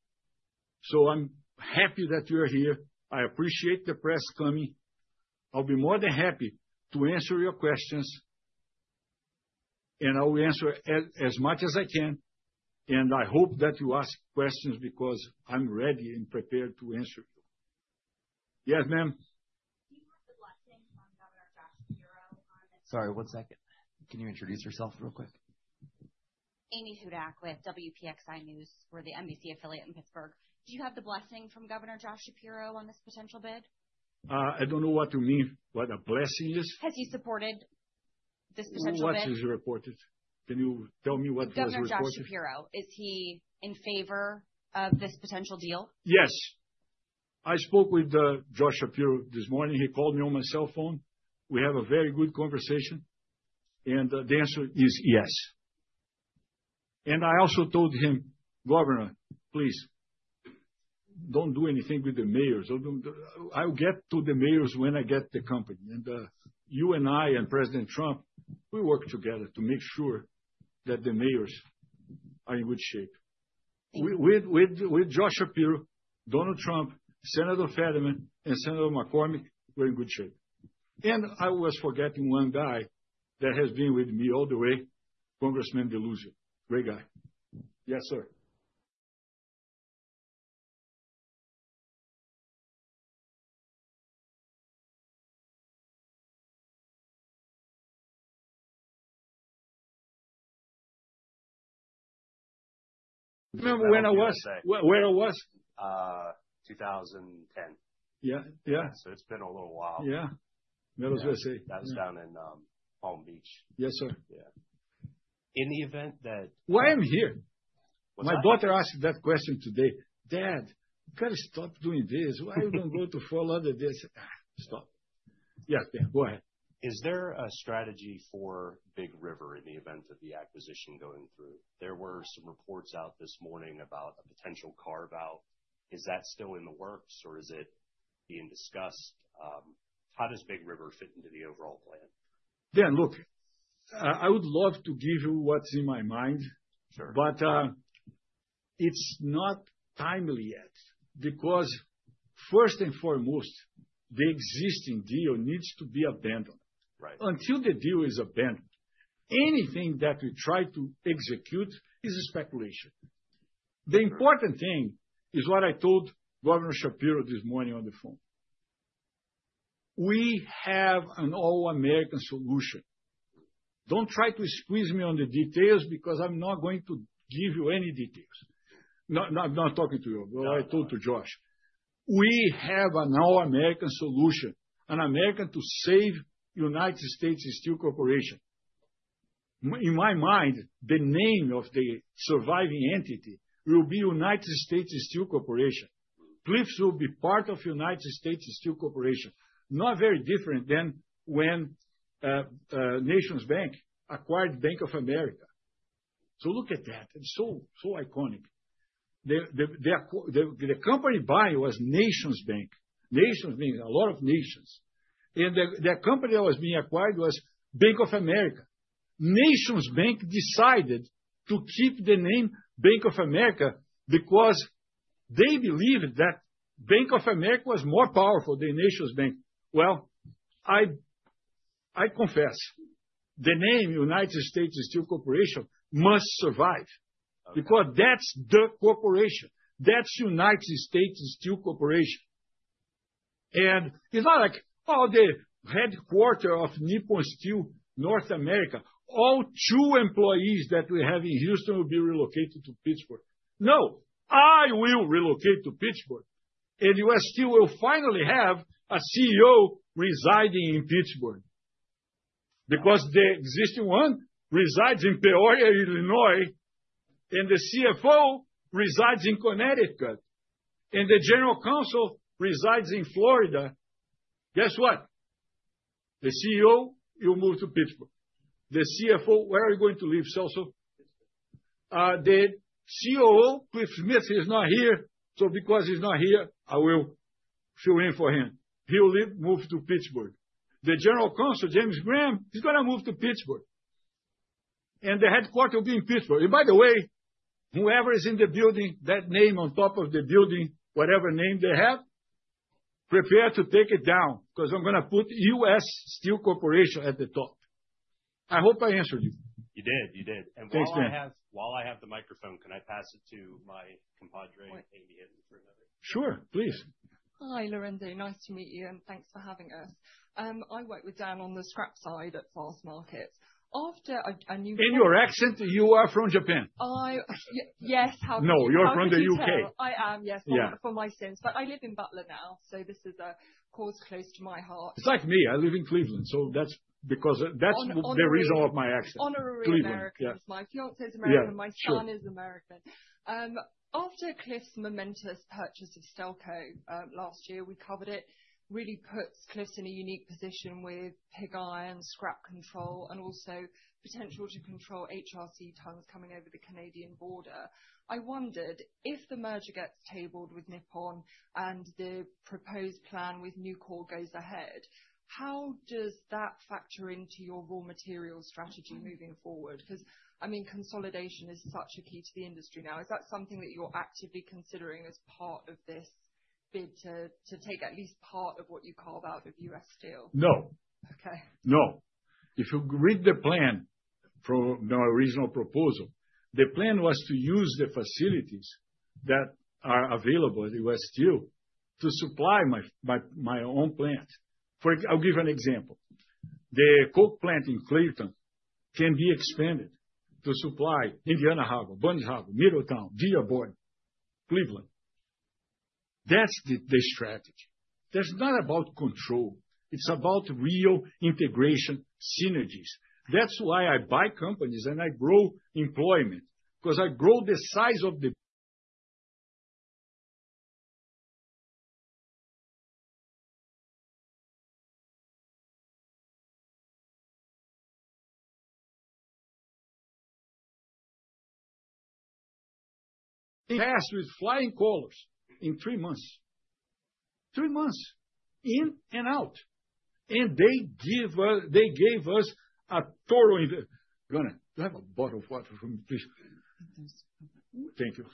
So I'm happy that you're here. I appreciate the press coming. I'll be more than happy to answer your questions. And I'll answer as much as I can. I hope that you ask questions because I'm ready and prepared to answer you. Yes, ma'am. Do you have the blessing from Governor Josh Shapiro on this? Sorry, one second. Can you introduce yourself real quick? Amy Hudak with WPXI News. We're the NBC affiliate in Pittsburgh. Do you have the blessing from Governor Josh Shapiro on this potential bid? I don't know what to mean what a blessing is. Has he supported this potential bid? What is reported? Can you tell me what does Josh Shapiro? Governor Josh Shapiro, is he in favor of this potential deal? Yes. I spoke with Josh Shapiro this morning. He called me on my cell phone. We had a very good conversation. And the answer is yes. And I also told him, "Governor, please don't do anything with the mayors." I'll get to the mayors when I get the company. And you and I and President Trump, we work together to make sure that the mayors are in good shape. With Josh Shapiro, Donald Trump, Senator Fetterman, and Senator McCormick, we're in good shape. And I was forgetting one guy that has been with me all the way, Congressman Deluzio. Great guy. Yes, sir. Remember when I was 2010? Yeah. Yeah. So it's been a little while. Yeah. That was down in Palm Beach. Yes, sir. Yeah. In the event that - why I'm here? My daughter asked that question today. "Dad, you got to stop doing this. Why don't you go to follow this?" Stop. Yeah, go ahead. Is there a strategy for Big River in the event of the acquisition going through? There were some reports out this morning about a potential carve-out. Is that still in the works, or is it being discussed? How does Big River fit into the overall plan? Yeah, look, I would love to give you what's in my mind. But it's not timely yet because, first and foremost, the existing deal needs to be abandoned. Until the deal is abandoned, anything that we try to execute is a speculation. The important thing is what I told Governor Shapiro this morning on the phone. We have an all-American solution. Don't try to squeeze me on the details because I'm not going to give you any details. I'm not talking to you. I told Josh. We have an all-American solution, an American to save United States Steel Corporation. In my mind, the name of the surviving entity will be United States Steel Corporation. Cliffs will be part of United States Steel Corporation, not very different than when NationsBank acquired Bank of America. So look at that. It's so iconic. The company buying was NationsBank. NationsBank, a lot of nations. And the company that was being acquired was Bank of America. NationsBank decided to keep the name Bank of America because they believed that Bank of America was more powerful than NationsBank. Well, I confess, the name United States Steel Corporation must survive because that's the corporation. That's United States Steel Corporation. And it's not like, "Oh, the headquarters of Nippon Steel North America, all two employees that we have in Houston will be relocated to Pittsburgh." No, I will relocate to Pittsburgh. And U.S. Steel will finally have a CEO residing in Pittsburgh because the existing one resides in Peoria, Illinois, and the CFO resides in Connecticut, and the general counsel resides in Florida. Guess what? The CEO will move to Pittsburgh. The CFO, where are you going to live, Celso? The COO, Cliff Smith, is not here. So because he's not here, I will fill in for him. He'll live, move to Pittsburgh. The general counsel, James Graham, is going to move to Pittsburgh. The headquarters will be in Pittsburgh. By the way, whoever is in the building, that name on top of the building, whatever name they have, prepare to take it down because I'm going to put U.S. Steel Corporation at the top. I hope I answered you. You did. You did. While I have the microphone, can I pass it to my compadre, Amy Hinton, for another? Sure, please. Hi, Lourenco. Nice to meet you. Thanks for having us. I work with Dan on the scrap side at Fastmarkets. After I knew you- And your accent? You are from Japan? Yes, how can I say? No, you're from the UK. I am, yes, for my sins. But I live in Butler now, so this is a cause close to my heart. It's like me. I live in Cleveland. So that's the reason of my accent. Honorary American. My fiancé is American. My son is American. After Cliff's momentous purchase of Stelco last year, we covered it. It really puts Cliff in a unique position with pig iron, scrap control, and also potential to control HRC tons coming over the Canadian border. I wondered if the merger gets tabled with Nippon and the proposed plan with Nucor goes ahead, how does that factor into your raw material strategy moving forward? Because, I mean, consolidation is such a key to the industry now. Is that something that you're actively considering as part of this bid to take at least part of what you carve out of U.S. Steel? No. No. If you read the plan for my original proposal, the plan was to use the facilities that are available at U.S. Steel to supply my own plant. I'll give you an example. The coke plant in Cleveland can be expanded to supply Indiana Harbor, Burns Harbor, Middletown, Dearborn, Cleveland. That's the strategy. That's not about control. It's about real integration synergies. That's why I buy companies and I grow employment because I grow the size of the—Passed with flying colors in three months. Three months in and out. And they gave us a total—Gonna, do you have a bottle of water for me, please? Thank you.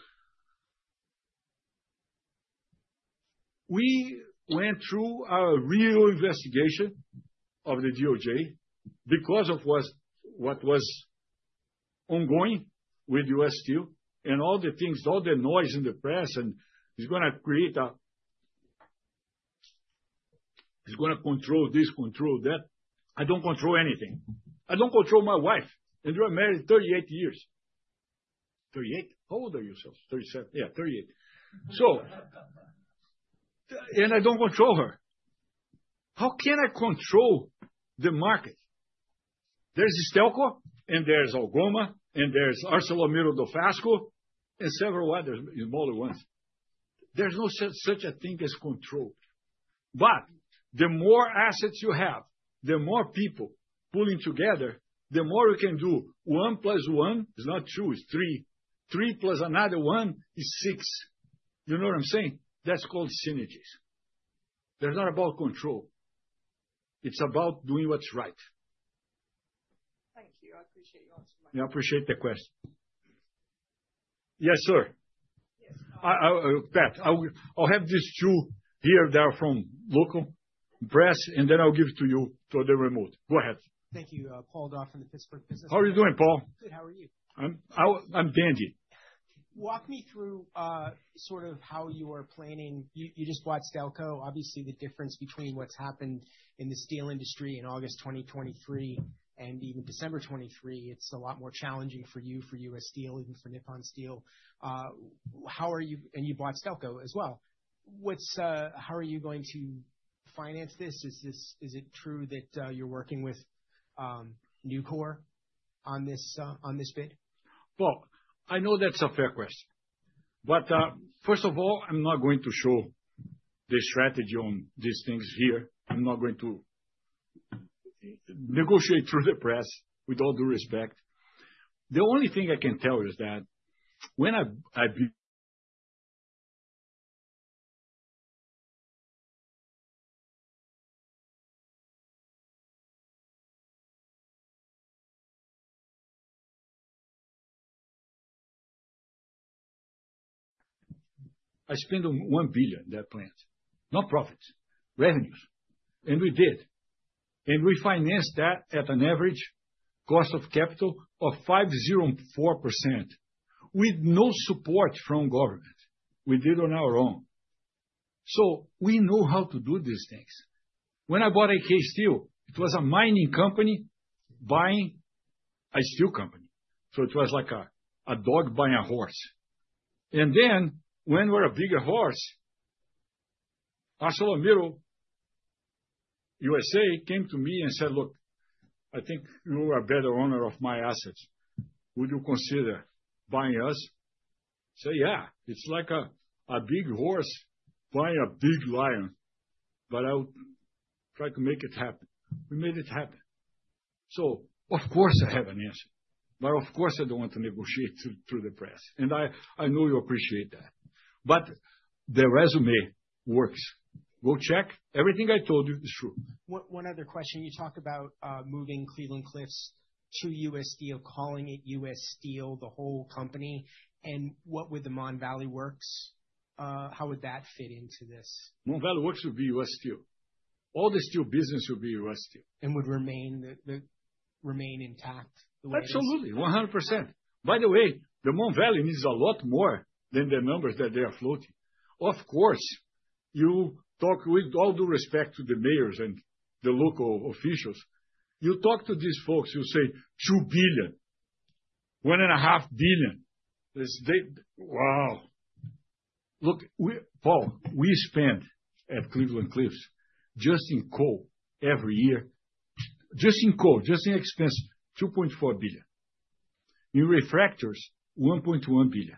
We went through a real investigation of the DOJ because of what was ongoing with U.S. Steel and all the things, all the noise in the press, and he's going to create a—he's going to control this, control that. I don't control anything. I don't control my wife, and you are married 38 years. 38? How old are you? 37. Yeah, 38. And I don't control her. How can I control the market? There's Stelco, and there's Algoma, and there's ArcelorMittal Dofasco, and several others, smaller ones. There's no such a thing as control, but the more assets you have, the more people pulling together, the more you can do. One plus one is not two. It's three. Three plus another one is six. You know what I'm saying? That's called synergies. That's not about control. It's about doing what's right. Thank you. I appreciate your answer. I appreciate the question. Yes, sir. Yes, Pat. I'll have these two here that are from local press, and then I'll give it to you for the remote. Go ahead. Thank you. Paul Gough from the Pittsburgh Business Times. How are you doing, Paul? Good. How are you? I'm dandy. Walk me through sort of how you are planning. You just bought Stelco. Obviously, the difference between what's happened in the steel industry in August 2023 and even December 2023, it's a lot more challenging for you, for U.S. Steel, even for Nippon Steel. And you bought Stelco as well. How are you going to finance this? Is it true that you're working with Nucor on this bid? Well, I know that's a fair question. But first of all, I'm not going to show the strategy on these things here. I'm not going to negotiate through the press, with all due respect. The only thing I can tell you is that when I- I spent $1 billion on that plant. Not profits. Revenues. And we did. And we financed that at an average cost of capital of 504% with no support from government. We did it on our own, so we know how to do these things. When I bought AK Steel, it was a mining company buying a steel company, so it was like a dog buying a horse, and then when we're a bigger horse, ArcelorMittal USA came to me and said, "Look, I think you are a better owner of my assets. Would you consider buying us?" I said, "Yeah. It's like a big horse buying a big lion, but I'll try to make it happen." We made it happen, so of course, I have an answer. But of course, I don't want to negotiate through the press, and I know you appreciate that, but the resume works. Go check. Everything I told you is true. One other question. You talk about moving Cleveland-Cliffs to U.S. Steel, calling it U.S. Steel, the whole company. And what with the Mon Valley Works, how would that fit into this? Mon Valley Works would be U.S. Steel. All the steel business would be U.S. Steel. And would remain intact the way it is? Absolutely. 100%. By the way, the Mon Valley needs a lot more than the numbers that they are floating. Of course, you talk with all due respect to the mayors and the local officials. You talk to these folks, you say, "$2 billion. $1.5 billion." Wow. Look, Paul, we spend at Cleveland-Cliffs just in coal every year. Just in coal, just in expense, $2.4 billion. In refractories, $1.1 billion.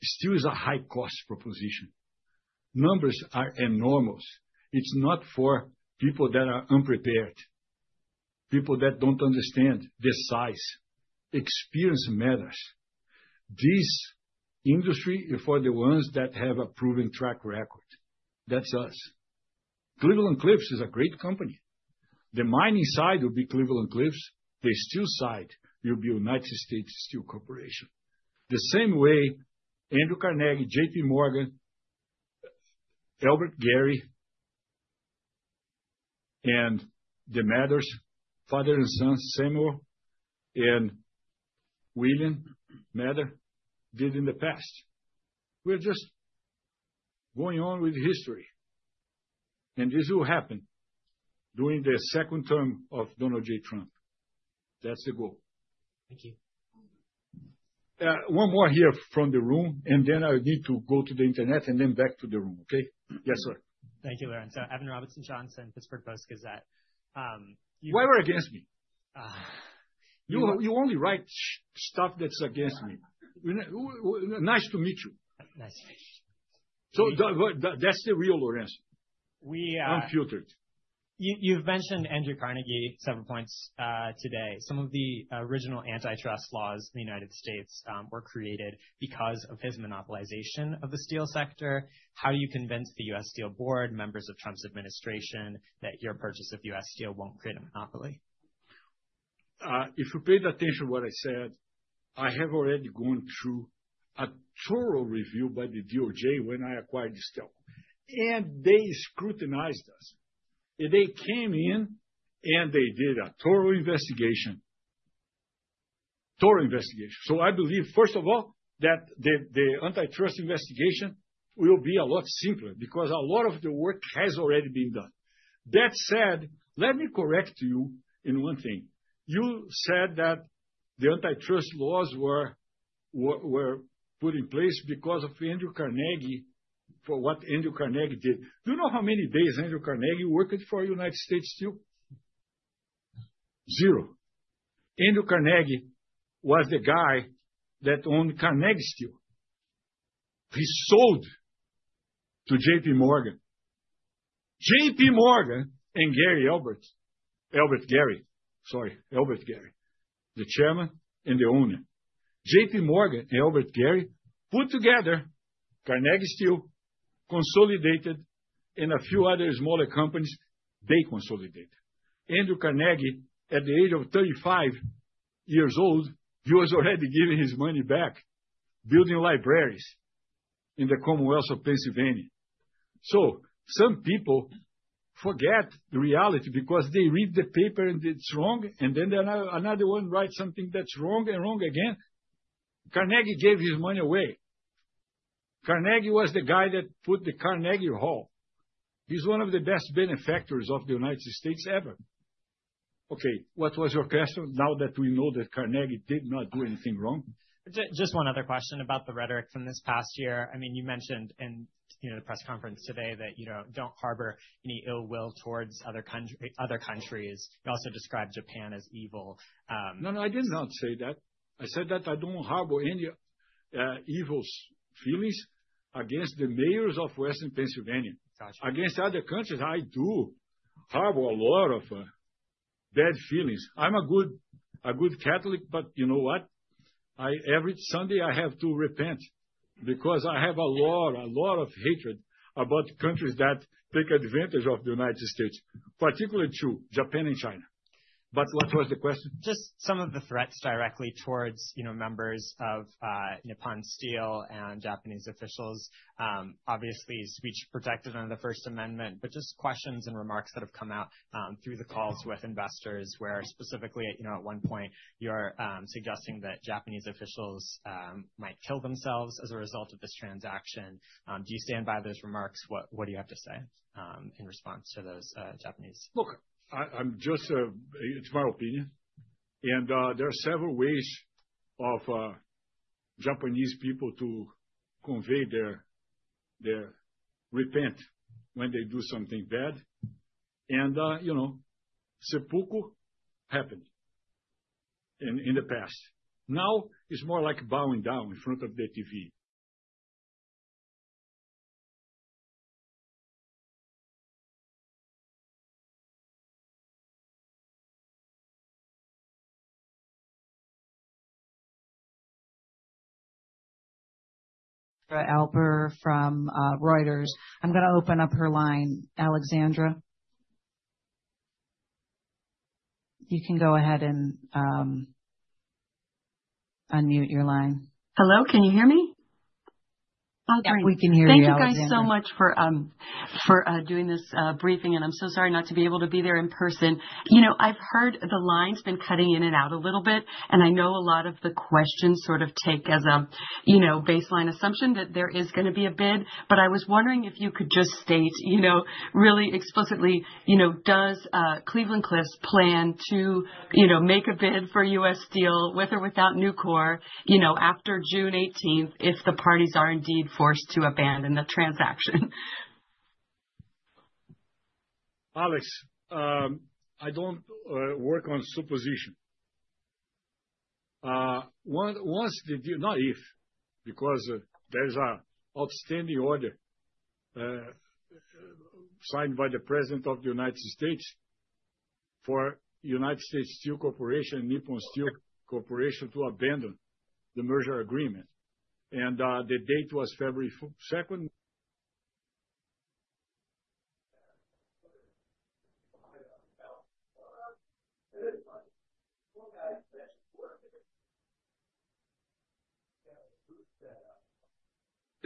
Steel is a high-cost proposition. Numbers are enormous. It's not for people that are unprepared, people that don't understand the size. Experience matters. This industry is for the ones that have a proven track record. That's us. Cleveland-Cliffs is a great company. The mining side will be Cleveland-Cliffs. The steel side will be United States Steel Corporation. The same way Andrew Carnegie, JPMorgan, Elbert Gary, and the Mather, father and son, Samuel and William Mather, did in the past. We're just going on with history and this will happen during the second term of Donald J. Trump. That's the goal. Thank you. One more here from the room, and then I need to go to the internet and then back to the room, okay? Yes, sir. Thank you, Lourenco. Evan Robinson-Johnson, Pittsburgh Post-Gazette. Why are you against me? You only write stuff that's against me. Nice to meet you. Nice. So that's the real Lourenco. Unfiltered. You've mentioned Andrew Carnegie several points today. Some of the original antitrust laws in the United States were created because of his monopolization of the steel sector. How do you convince the U.S. Steel Board, members of Trump's administration, that your purchase of U.S. Steel won't create a monopoly? If you paid attention to what I said, I have already gone through a thorough review by the DOJ when I acquired Stelco, and they scrutinized us. They came in and they did a thorough investigation, thorough investigation, so I believe, first of all, that the antitrust investigation will be a lot simpler because a lot of the work has already been done. That said, let me correct you in one thing. You said that the antitrust laws were put in place because of Andrew Carnegie, for what Andrew Carnegie did. Do you know how many days Andrew Carnegie worked for United States Steel? Zero. Andrew Carnegie was the guy that owned Carnegie Steel. He sold to JPMorgan. JPMorgan and Elbert Gary, sorry, Elbert Gary, the chairman and the owner. JPMorgan and Elbert Gary put together Carnegie Steel, consolidated, and a few other smaller companies they consolidated. Andrew Carnegie, at the age of 35 years old, he was already giving his money back, building libraries in the Commonwealth of Pennsylvania. So some people forget the reality because they read the paper and it's wrong, and then another one writes something that's wrong and wrong again. Carnegie gave his money away. Carnegie was the guy that put the Carnegie Hall. He's one of the best benefactors of the United States ever. Okay, what was your question now that we know that Carnegie did not do anything wrong? Just one other question about the rhetoric from this past year. I mean, you mentioned in the press conference today that you don't harbor any ill will towards other countries. You also described Japan as evil. No, no, I did not say that. I said that I don't harbor any evil feelings against the miners of Western Pennsylvania. Against other countries, I do harbor a lot of bad feelings. I'm a good Catholic, but you know what? Every Sunday, I have to repent because I have a lot of hatred about countries that take advantage of the United States, particularly to Japan and China. But what was the question? Just some of the threats directly towards members of Nippon Steel and Japanese officials, obviously, speech protected under the First Amendment, but just questions and remarks that have come out through the calls with investors where specifically at one point you're suggesting that Japanese officials might kill themselves as a result of this transaction. Do you stand by those remarks? What do you have to say in response to those Japanese? Look, it's my opinion. And there are several ways of Japanese people to convey their repentance when they do something bad. And seppuku happened in the past. Now it's more like bowing down in front of the TV. For Alper from Reuters, I'm going to open up her line. Alexandra, you can go ahead and unmute your line. Hello, can you hear me? Yes, we can hear you. Thank you guys so much for doing this briefing, and I'm so sorry not to be able to be there in person. I've heard the line's been cutting in and out a little bit, and I know a lot of the questions sort of take as a baseline assumption that there is going to be a bid. But I was wondering if you could just state really explicitly, does Cleveland-Cliffs plan to make a bid for U.S. Steel with or without Nippon after June 18th if the parties are indeed forced to abandon the transaction? Alex, I don't work on supposition. Once the deal, not if, because there's an outstanding order signed by the President of the United States for United States Steel Corporation and Nippon Steel Corporation to abandon the merger agreement. And the date was February 2nd.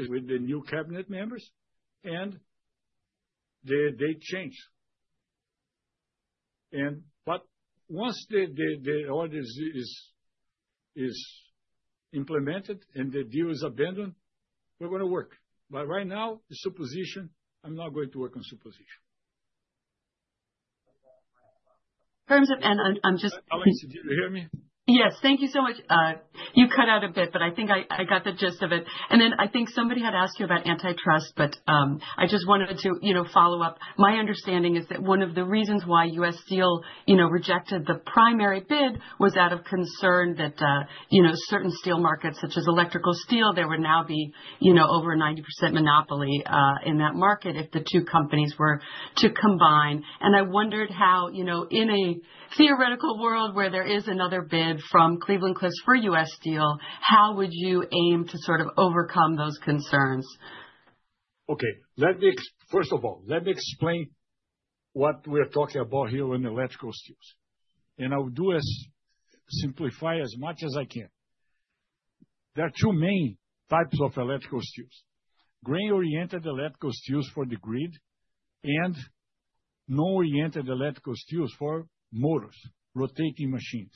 With the new cabinet members, and the date changed. But once the order is implemented and the deal is abandoned, we're going to work. But right now, it's supposition. I'm not going to work on supposition. And I'm just, Alex, did you hear me? Yes, thank you so much. You cut out a bit, but I think I got the gist of it. And then I think somebody had asked you about antitrust, but I just wanted to follow up. My understanding is that one of the reasons why U.S. Steel rejected the primary bid was out of concern that certain steel markets, such as electrical steel, there would now be over a 90% monopoly in that market if the two companies were to combine. And I wondered how, in a theoretical world where there is another bid from Cleveland-Cliffs for U.S. Steel, how would you aim to sort of overcome those concerns? Okay. First of all, let me explain what we're talking about here on electrical steels, and I'll do it as simply as much as I can. There are two main types of electrical steels: grain-oriented electrical steels for the grid and non-oriented electrical steels for motors, rotating machines.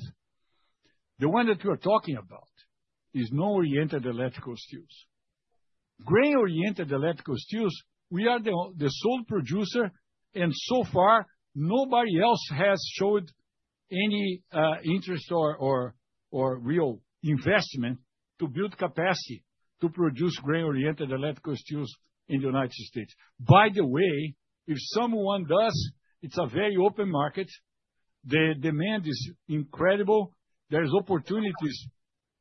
The one that we're talking about is non-oriented electrical steels. Grain-oriented electrical steels, we are the sole producer, and so far, nobody else has showed any interest or real investment to build capacity to produce grain-oriented electrical steels in the United States. By the way, if someone does, it's a very open market. The demand is incredible. There are opportunities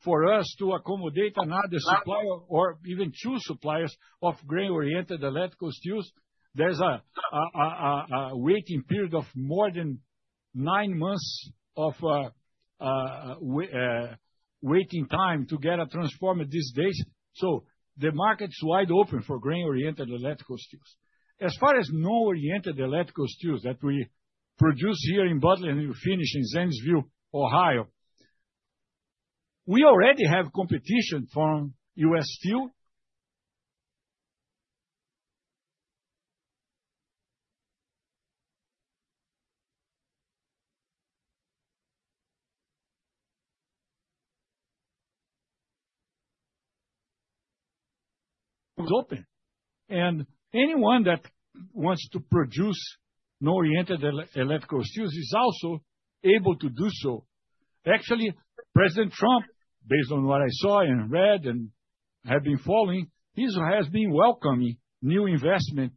for us to accommodate another supplier or even two suppliers of grain-oriented electrical steels. There's a waiting period of more than nine months of waiting time to get a transformer these days, so the market's wide open for grain-oriented electrical steels. As far as non-oriented electrical steels that we produce here in Butler and we finish in Zanesville, Ohio, we already have competition from U.S. Steel. It's open. And anyone that wants to produce non-oriented electrical steels is also able to do so. Actually, President Trump, based on what I saw and read and have been following, he has been welcoming new investment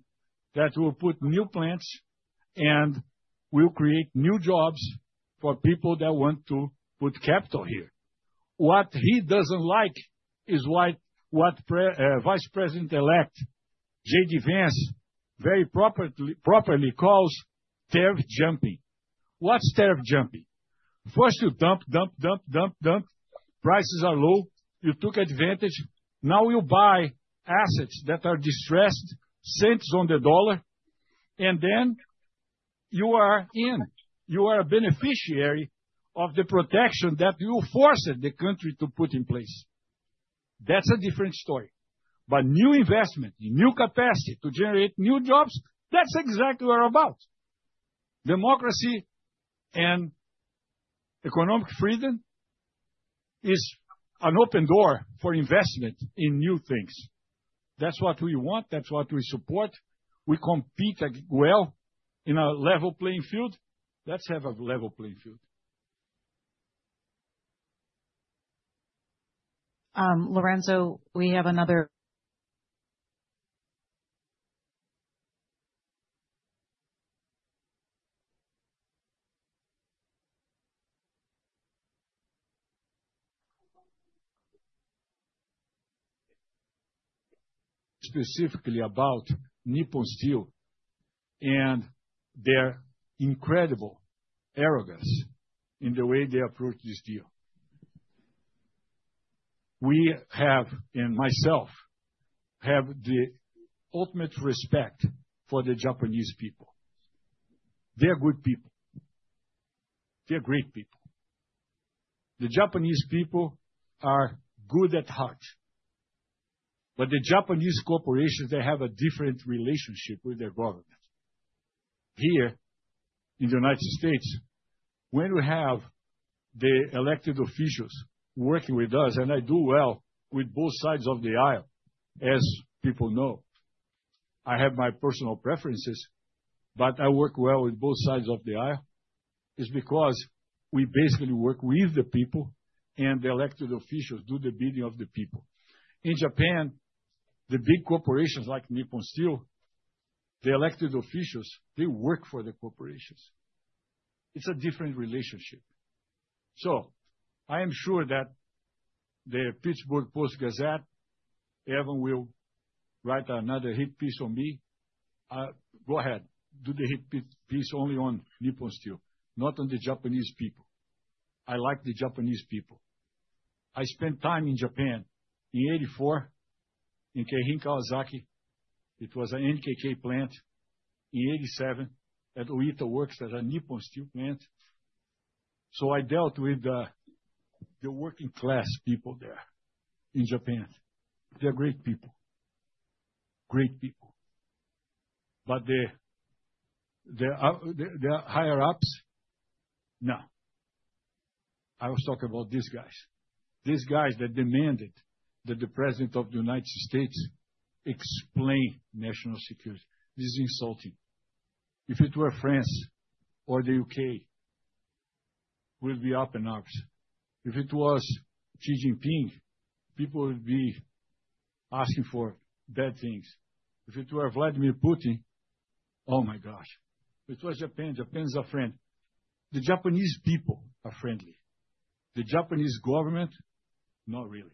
that will put new plants and will create new jobs for people that want to put capital here. What he doesn't like is what Vice President-elect J.D. Vance very properly calls tariff jumping. What's tariff jumping? First, you dump, dump, dump, dump, dump. Prices are low. You took advantage. Now you buy assets that are distressed, cents on the dollar, and then you are in. You are a beneficiary of the protection that you forced the country to put in place. That's a different story. But new investment, new capacity to generate new jobs, that's exactly what we're about. Democracy and economic freedom is an open door for investment in new things. That's what we want. That's what we support. We compete well in a level playing field. Let's have a level playing field. Lourenco, we have another- specifically about Nippon Steel and their incredible arrogance in the way they approach this deal. We have, and myself, have the ultimate respect for the Japanese people. They're good people. They're great people. The Japanese people are good at heart. But the Japanese corporations, they have a different relationship with their government. Here, in the United States, when we have the elected officials working with us, and I do well with both sides of the aisle, as people know. I have my personal preferences, but I work well with both sides of the aisle is because we basically work with the people, and the elected officials do the bidding of the people. In Japan, the big corporations like Nippon Steel, the elected officials, they work for the corporations. It's a different relationship. So I am sure that the Pittsburgh Post-Gazette, Evan will write another hit piece on me. Go ahead. Do the hit piece only on Nippon Steel, not on the Japanese people. I like the Japanese people. I spent time in Japan in 1984 in Keihin Kawasaki. It was an NKK plant in 1987 at Oita Works, a Nippon Steel plant. So I dealt with the working-class people there in Japan. They're great people. Great people. But the higher-ups, no. I was talking about these guys. These guys that demanded that the President of the United States explain national security. This is insulting. If it were France or the U.K., we'd be up in arms. If it was Xi Jinping, people would be asking for bad things. If it were Vladimir Putin, oh my gosh. It was Japan. Japan is a friend. The Japanese people are friendly. The Japanese government, not really.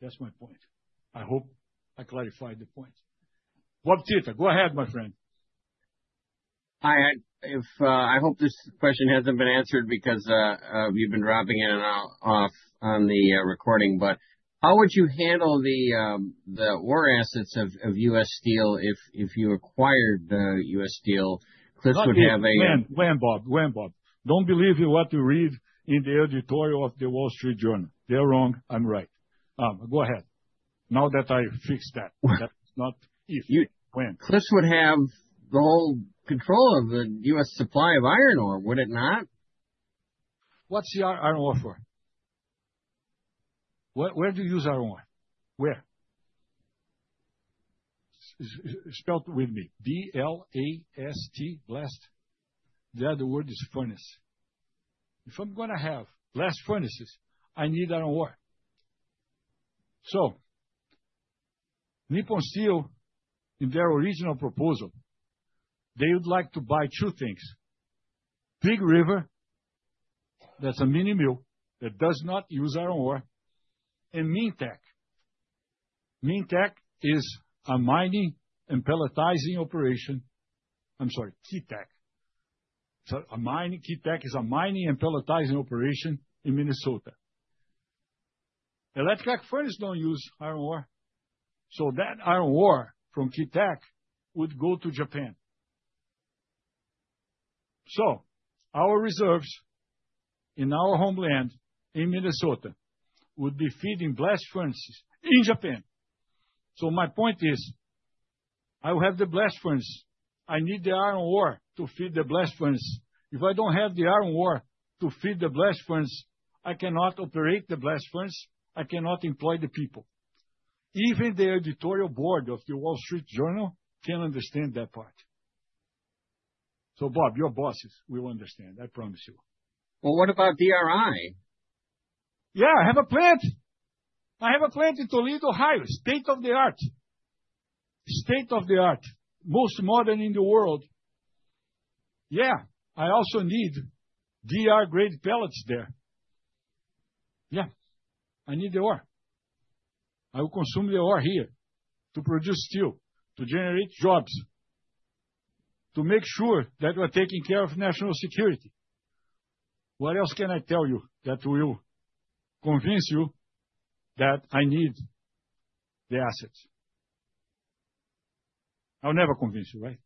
That's my point. I hope I clarified the point. Bob Tita, go ahead, my friend. Hi, Ed. I hope this question hasn't been answered because you've been dropping in and off on the recording. But how would you handle the ore assets of U.S. Steel if you acquired U.S. Steel? Cliffs would have a— When, Bob? When, Bob? Don't believe in what you read in the editorial of the Wall Street Journal. They're wrong and right. Go ahead. Now that I fixed that, that's not if. When? Cliffs would have the whole control of the U.S. supply of iron ore, would it not? What's the iron ore for? Where do you use iron ore? Where? Spell it with me. B-L-A-S-T, blast. The other word is furnace. If I'm going to have blast furnaces, I need iron ore. So Nippon Steel, in their original proposal, they would like to buy two things: Big River, that's a mini mill that does not use iron ore, and Minntac. Minntac is a mining and pelletizing operation. I'm sorry, Keetac. Keetac is a mining and pelletizing operation in Minnesota. Electric furnace don't use iron ore. So that iron ore from Keetac would go to Japan. So our reserves in our homeland in Minnesota would be feeding blast furnaces in Japan. So my point is, I will have the blast furnaces. I need the iron ore to feed the blast furnaces. If I don't have the iron ore to feed the blast furnaces, I cannot operate the blast furnaces. I cannot employ the people. Even the editorial board of the Wall Street Journal can understand that part. So Bob, your bosses will understand, I promise you. Well, what about DRI? Yeah, I have a plant. I have a plant in Toledo, Ohio. State of the art. State of the art. Most modern in the world. Yeah, I also need DR-grade pellets there. Yeah, I need the ore. I will consume the ore here to produce steel, to generate jobs, to make sure that we're taking care of national security. What else can I tell you that will convince you that I need the assets? I'll never convince you, right?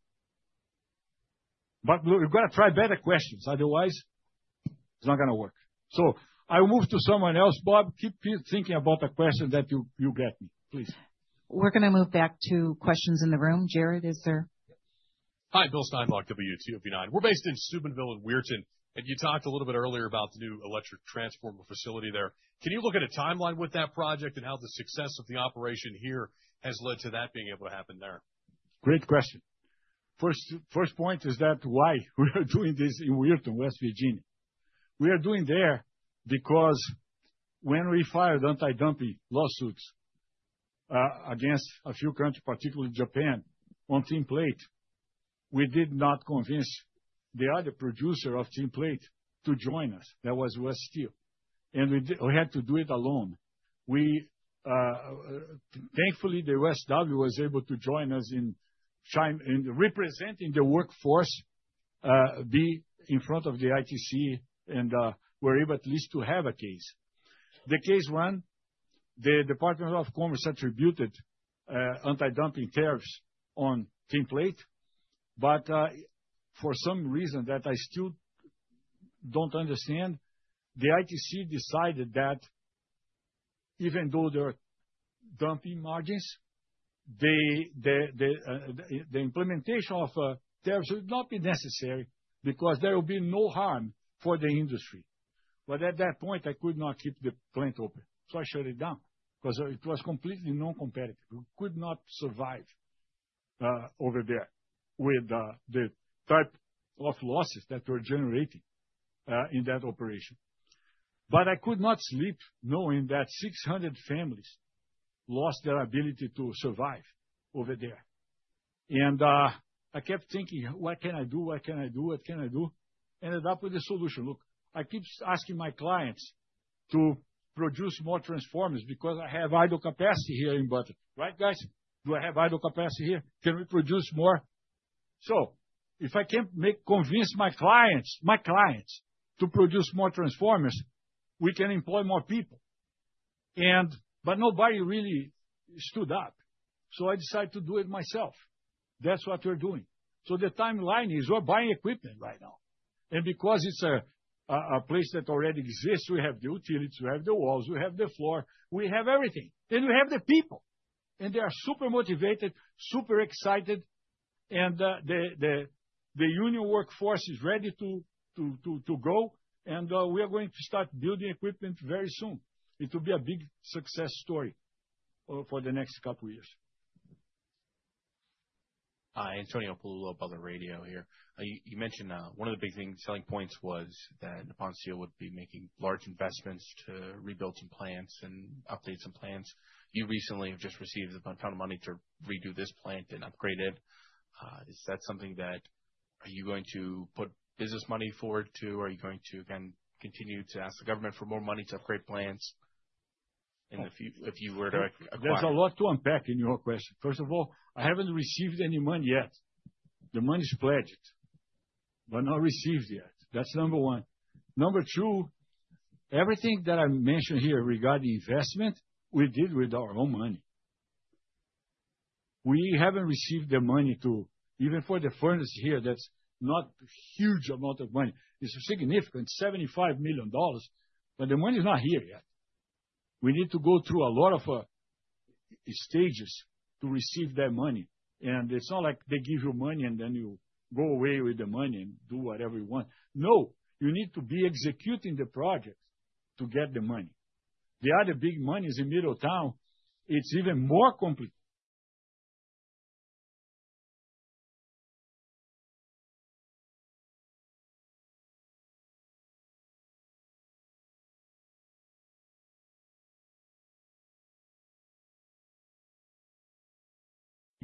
But you've got to try better questions. Otherwise, it's not going to work. So I'll move to someone else. Bob, keep thinking about the question that you get me, please. We're going to move back to questions in the room. Jared, is there? Hi, Bill Steinbach, WTOV9. We're based in Steubenville in Weirton, and you talked a little bit earlier about the new electric transformer facility there. Can you look at a timeline with that project and how the success of the operation here has led to that being able to happen there? Great question. First point is that why we are doing this in Weirton, West Virginia? We are doing it there because when we filed anti-dumping lawsuits against a few countries, particularly Japan, on tin plate, we did not convince the other producer of tin plate to join us. That was U.S. Steel. And we had to do it alone. Thankfully, the USW was able to join us in representing the workforce, be in front of the ITC, and we were able at least to have a case. The case won. The Department of Commerce attributed anti-dumping tariffs on tinplate. But for some reason that I still don't understand, the ITC decided that even though there are dumping margins, the implementation of tariffs would not be necessary because there will be no harm for the industry. But at that point, I could not keep the plant open, so I shut it down because it was completely non-competitive. We could not survive over there with the type of losses that we're generating in that operation. But I could not sleep knowing that 600 families lost their ability to survive over there, and I kept thinking, what can I do? What can I do? What can I do? Ended up with a solution. Look, I keep asking my clients to produce more transformers because I have idle capacity here in Butler. Right, guys? Do I have idle capacity here? Can we produce more? So if I can convince my clients to produce more transformers, we can employ more people. But nobody really stood up. So I decided to do it myself. That's what we're doing. So the timeline is we're buying equipment right now. And because it's a place that already exists, we have the utilities, we have the walls, we have the floor, we have everything. And we have the people. And they are super motivated, super excited. And the union workforce is ready to go. And we are going to start building equipment very soon. It will be a big success story for the next couple of years. Hi, Antonio Pelullo of Butler Radio here. You mentioned one of the big selling points was that Nippon Steel would be making large investments to rebuild some plants and update some plants. You recently have just received a ton of money to redo this plant and upgrade it. Is that something that are you going to put business money forward to? Are you going to continue to ask the government for more money to upgrade plants if you were to acquire? There's a lot to unpack in your question. First of all, I haven't received any money yet. The money's pledged, but not received yet. That's number one. Number two, everything that I mentioned here regarding investment, we did with our own money. We haven't received the money to even for the furnace here, that's not a huge amount of money. It's significant, $75 million, but the money's not here yet. We need to go through a lot of stages to receive that money. And it's not like they give you money and then you go away with the money and do whatever you want. No, you need to be executing the project to get the money. The other big money is in Middletown. It's even more complicated.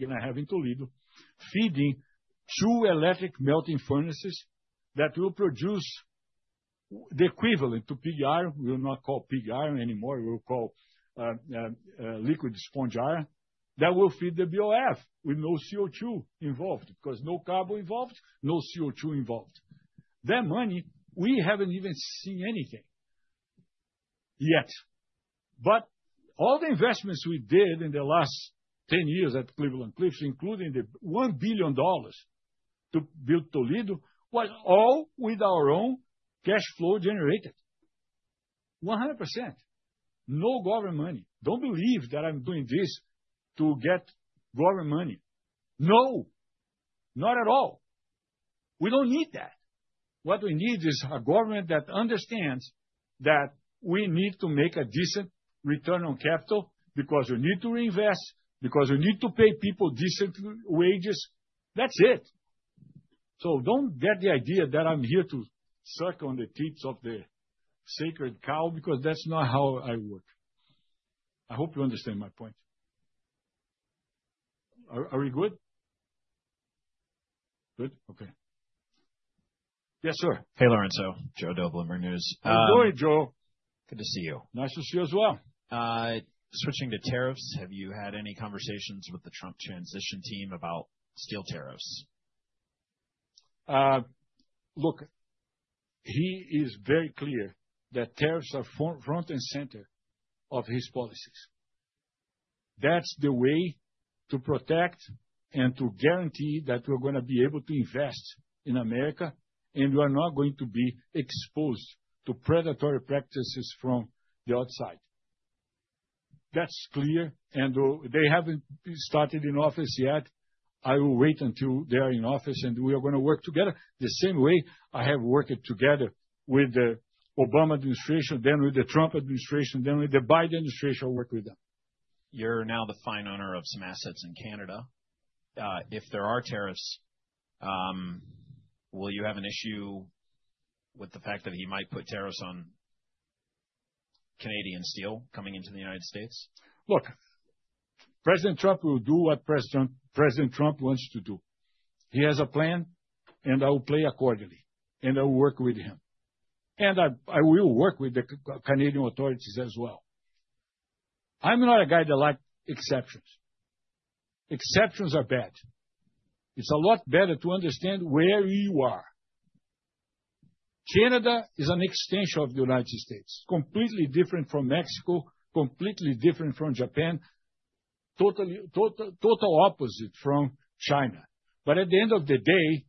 And I have in Toledo feeding two electric melting furnaces that will produce the equivalent to pig iron. We will not call pig iron anymore. We'll call liquid sponge iron that will feed the BOF with no CO2 involved because no carbon involved, no CO2 involved. That money, we haven't even seen anything yet. But all the investments we did in the last 10 years at Cleveland-Cliffs, including the $1 billion to build Toledo, was all with our own cash flow generated. 100%. No government money. Don't believe that I'm doing this to get government money. No. Not at all. We don't need that. What we need is a government that understands that we need to make a decent return on capital because we need to reinvest, because we need to pay people decent wages. That's it. So don't get the idea that I'm here to suck on the teats of the sacred cow because that's not how I work. I hope you understand my point. Are we good? Good? Okay. Yes, sir. Hey, Lourenco. Joe Deaux, Bloomberg News. How are you doing, Joe? Good to see you. Nice to see you as well. Switching to tariffs, have you had any conversations with the Trump transition team about steel tariffs? Look, he is very clear that tariffs are front and center of his policies. That's the way to protect and to guarantee that we're going to be able to invest in America, and we are not going to be exposed to predatory practices from the outside. That's clear, and they haven't started in office yet. I will wait until they are in office, and we are going to work together the same way I have worked together with the Obama administration, then with the Trump administration, then with the Biden administration. I'll work with them. You're now the final owner of some assets in Canada. If there are tariffs, will you have an issue with the fact that he might put tariffs on Canadian steel coming into the United States? Look, President Trump will do what President Trump wants to do. He has a plan, and I will play accordingly, and I will work with him. And I will work with the Canadian authorities as well. I'm not a guy that likes exceptions. Exceptions are bad. It's a lot better to understand where you are. Canada is an extension of the United States, completely different from Mexico, completely different from Japan, total opposite from China. But at the end of the day,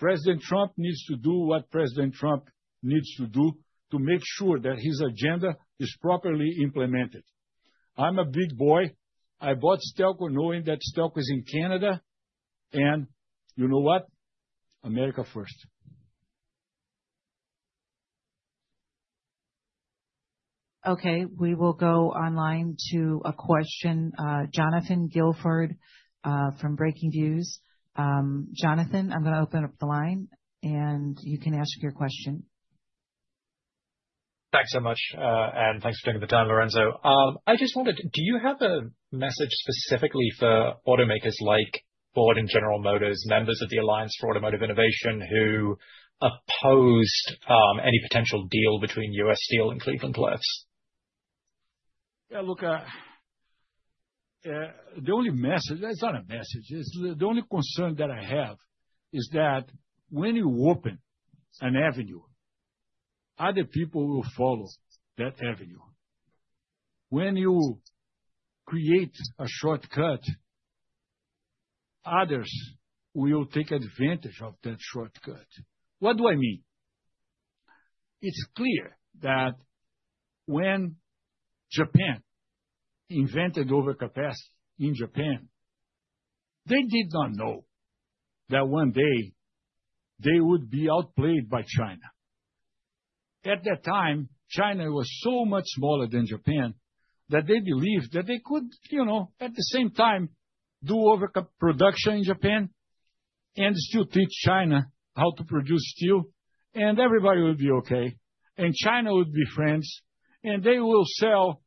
President Trump needs to do what President Trump needs to do to make sure that his agenda is properly implemented. I'm a big boy. I bought Stelco knowing that Stelco is in Canada. And you know what? America first. Okay, we will go online to a question. Jonathan Guilford from Breakingviews. Jonathan, I'm going to open up the line, and you can ask your question. Thanks so much, and thanks for taking the time, Lourenco. I just wondered, do you have a message specifically for automakers like Ford and General Motors, members of the Alliance for Automotive Innovation, who opposed any potential deal between U.S. Steel and Cleveland-Cliffs? Yeah, look, the only message, it's not a message, the only concern that I have is that when you open an avenue, other people will follow that avenue. When you create a shortcut, others will take advantage of that shortcut. What do I mean? It's clear that when Japan invented overcapacity in Japan, they did not know that one day they would be outplayed by China. At that time, China was so much smaller than Japan that they believed that they could, you know, at the same time, do overcapacity production in Japan and still teach China how to produce steel, and everybody would be okay. China would be friends, and they will sell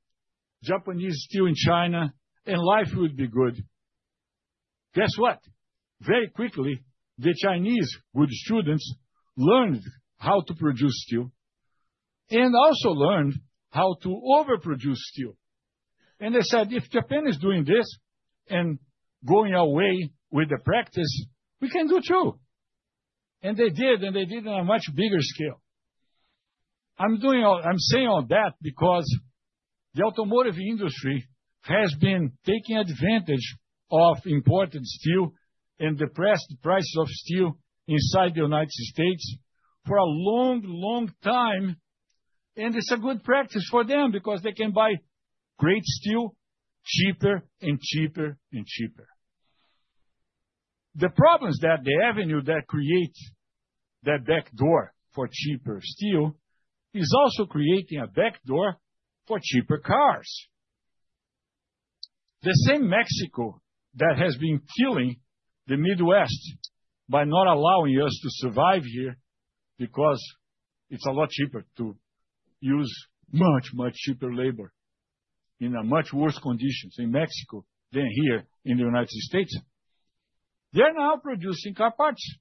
Japanese steel in China, and life would be good. Guess what? Very quickly, the Chinese good students learned how to produce steel and also learned how to overproduce steel. They said, "If Japan is doing this and going away with the practice, we can do too." They did, and they did it on a much bigger scale. I'm saying all that because the automotive industry has been taking advantage of imported steel and depressed prices of steel inside the United States for a long, long time. It's a good practice for them because they can buy great steel cheaper and cheaper and cheaper. The problem is that the avenue that creates that backdoor for cheaper steel is also creating a backdoor for cheaper cars. The same Mexico that has been killing the Midwest by not allowing us to survive here because it's a lot cheaper to use much, much cheaper labor in much worse conditions in Mexico than here in the United States, they're now producing car parts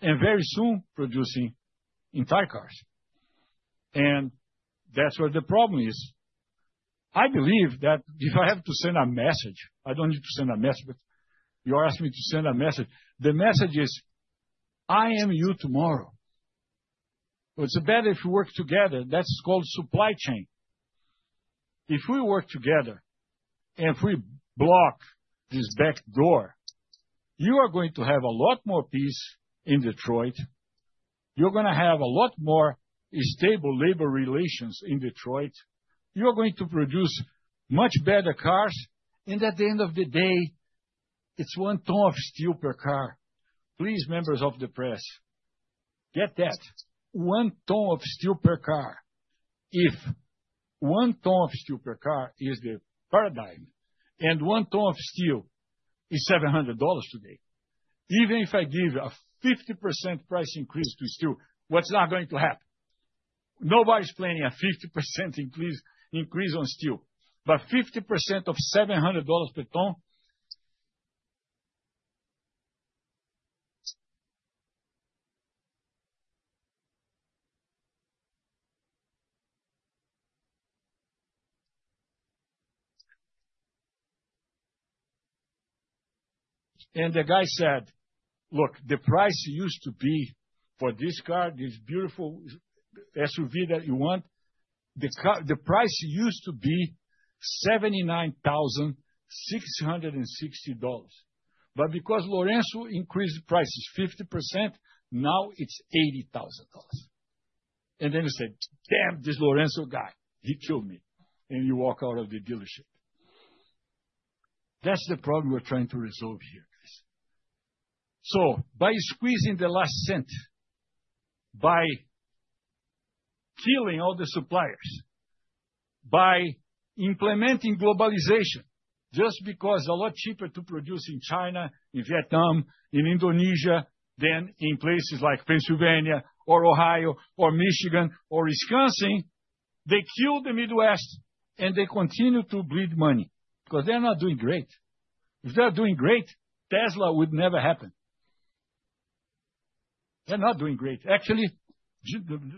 and very soon producing entire cars, and that's where the problem is. I believe that if I have to send a message, I don't need to send a message, but you asked me to send a message. The message is, "I am you tomorrow." It's better if we work together. That's called supply chain. If we work together and if we block this backdoor, you are going to have a lot more peace in Detroit. You're going to have a lot more stable labor relations in Detroit. You are going to produce much better cars. At the end of the day, it's one ton of steel per car. Please, members of the press, get that. One ton of steel per car. If one ton of steel per car is the paradigm and one ton of steel is $700 today, even if I give a 50% price increase to steel, what's not going to happen? Nobody's planning a 50% increase on steel, but 50% of $700 per ton. And the guy said, "Look, the price used to be for this car, this beautiful SUV that you want, the price used to be $79,660. But because Lourenco increased prices 50%, now it's $80,000." And then he said, "Damn, this Lourenco guy, he killed me." And you walk out of the dealership. That's the problem we're trying to resolve here, guys. So by squeezing the last cent, by killing all the suppliers, by implementing globalization, just because it's a lot cheaper to produce in China, in Vietnam, in Indonesia than in places like Pennsylvania or Ohio or Michigan or Wisconsin, they killed the Midwest and they continue to bleed money because they're not doing great. If they're doing great, Tesla would never happen. They're not doing great. Actually,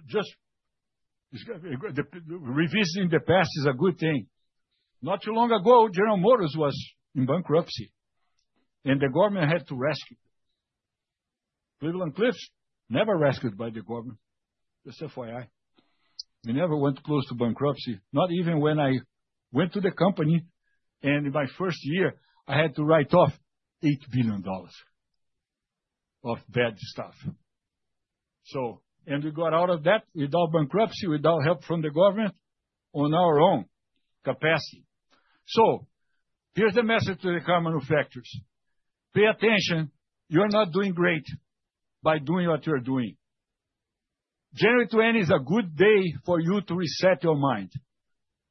just revisiting the past is a good thing. Not too long ago, General Motors was in bankruptcy, and the government had to rescue. Cleveland-Cliffs was never rescued by the government. That's FYI. We never went close to bankruptcy, not even when I went to the company, and in my first year, I had to write off $8 billion of bad stuff, and we got out of that without bankruptcy, without help from the government, on our own capacity. So here's the message to the car manufacturers. Pay attention. You're not doing great by doing what you're doing. January 20 is a good day for you to reset your mind.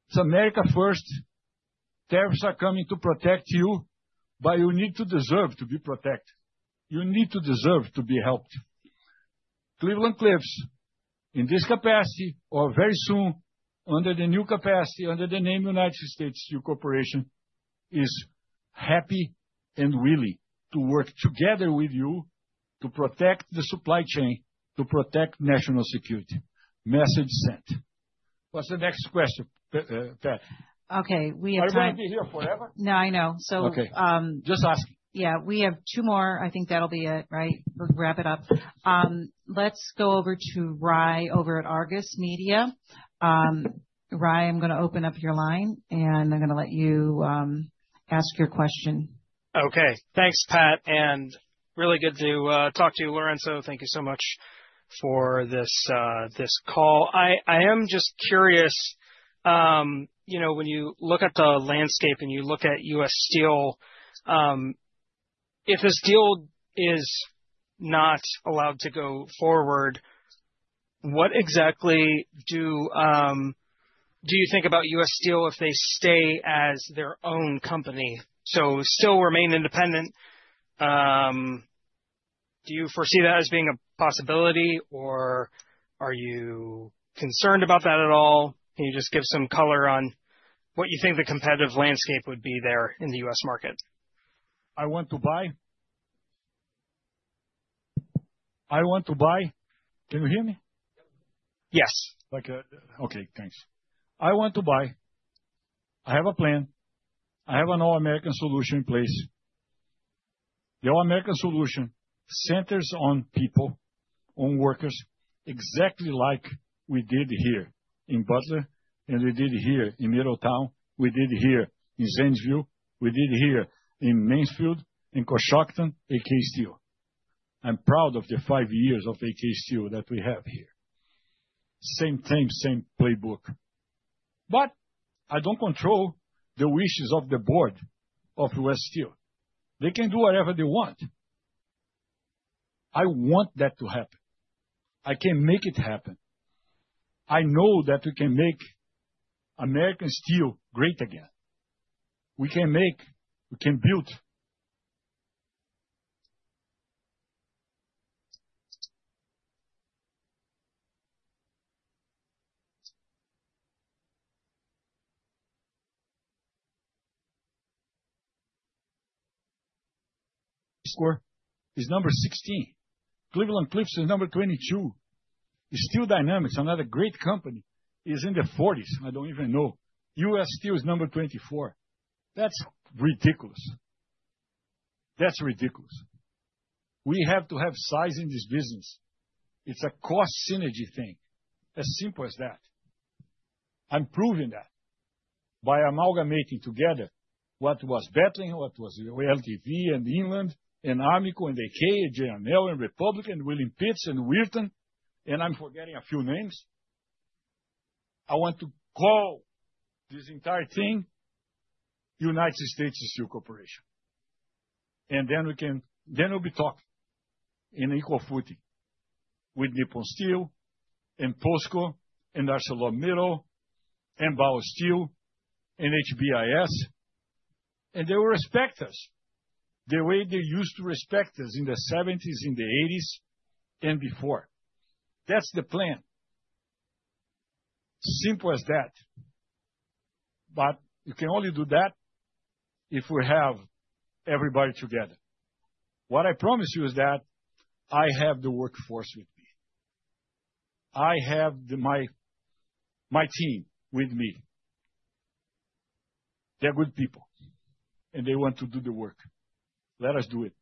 It's America first. Tariffs are coming to protect you, but you need to deserve to be protected. You need to deserve to be helped. Cleveland-Cliffs, in this capacity, or very soon under the new capacity, under the name United States Steel Corporation, is happy and willing to work together with you to protect the supply chain, to protect national security. Message sent. What's the next question? Okay. We have two. Are we going to be here forever? No, I know. Just asking. Yeah, we have two more. I think that'll be it, right? We'll wrap it up. Let's go over to Rye over at Argus Media. Rye, I'm going to open up your line, and I'm going to let you ask your question. Okay. Thanks, Pat. And really good to talk to you, Lorenzo. Thank you so much for this call. I am just curious, when you look at the landscape and you look at U.S. Steel, if the sale is not allowed to go forward, what exactly do you think about U.S. Steel if they stay as their own company? So still remain independent. Do you foresee that as being a possibility, or are you concerned about that at all? Can you just give some color on what you think the competitive landscape would be there in the US market? I want to buy. I want to buy. Can you hear me? Yes. Okay. Thanks. I want to buy. I have a plan. I have an all-American solution in place. The all-American solution centers on people, on workers, exactly like we did here in Butler, and we did here in Middletown. We did here in Zanesville. We did here in Mansfield and Coshocton, AK Steel. I'm proud of the five years of AK Steel that we have here. Same thing, same playbook. But I don't control the wishes of the board of U.S. Steel. They can do whatever they want. I want that to happen. I can make it happen. I know that we can make American steel great again. We can make, we can build. Score is number 16. Cleveland-Cliffs is number 22. Steel Dynamics, another great company, is in the 40s. I don't even know. U.S. Steel is number 24. That's ridiculous. That's ridiculous. We have to have size in this business. It's a cost synergy thing, as simple as that. I'm proving that by amalgamating together what was Bethlehem, what was LTV and Inland and Armco and AK and J&L and Republic and Wheeling-Pittsburgh and Wharton, and I'm forgetting a few names. I want to call this entire thing United States Steel Corporation, and then we can, then we'll be talking in equal footing with Nippon Steel and POSCO and ArcelorMittal and Baosteel and HBIS, and they will respect us the way they used to respect us in the '70s, in the '80s, and before. That's the plan. Simple as that, but you can only do that if we have everybody together. What I promise you is that I have the workforce with me. I have my team with me. They're good people, and they want to do the work. Let us do it.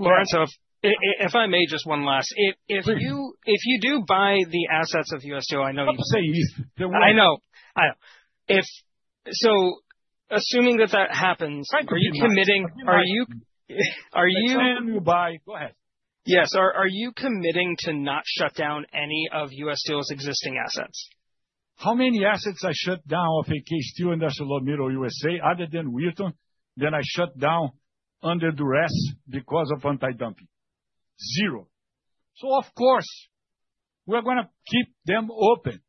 Lourenco, if I may, just one last. If you do buy the assets of U.S. Steel, I know you'll buy them. I'm saying if the deal. I know. So assuming that that happens, are you committing? Are you? I'm saying you buy. Go ahead. Yes. Are you committing to not shut down any of U.S. Steel's existing assets? How many assets I shut down of AK Steel and ArcelorMittal USA other than the one that I shut down under duress because of anti-dumping? Zero. So of course, we're going to keep them open.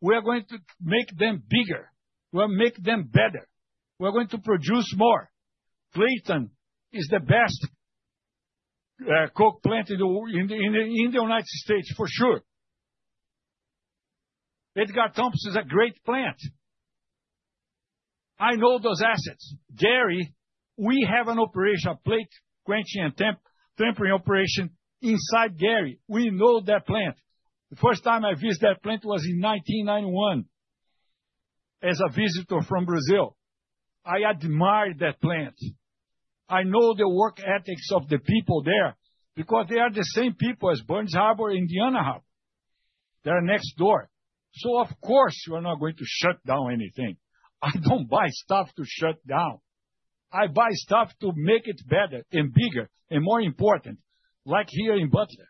We're going to make them bigger. We'll make them better. We're going to produce more. Clairton is the best coke plant in the United States, for sure. Edgar Thomson's a great plant. I know those assets. Gary, we have an operation, a plate quenching and tempering operation inside Gary. We know that plant. The first time I visited that plant was in 1991 as a visitor from Brazil. I admire that plant. I know the work ethics of the people there because they are the same people as Burns Harbor and Indiana Harbor. They're next door. So of course, we're not going to shut down anything. I don't buy stuff to shut down. I buy stuff to make it better and bigger and more important, like here in Butler.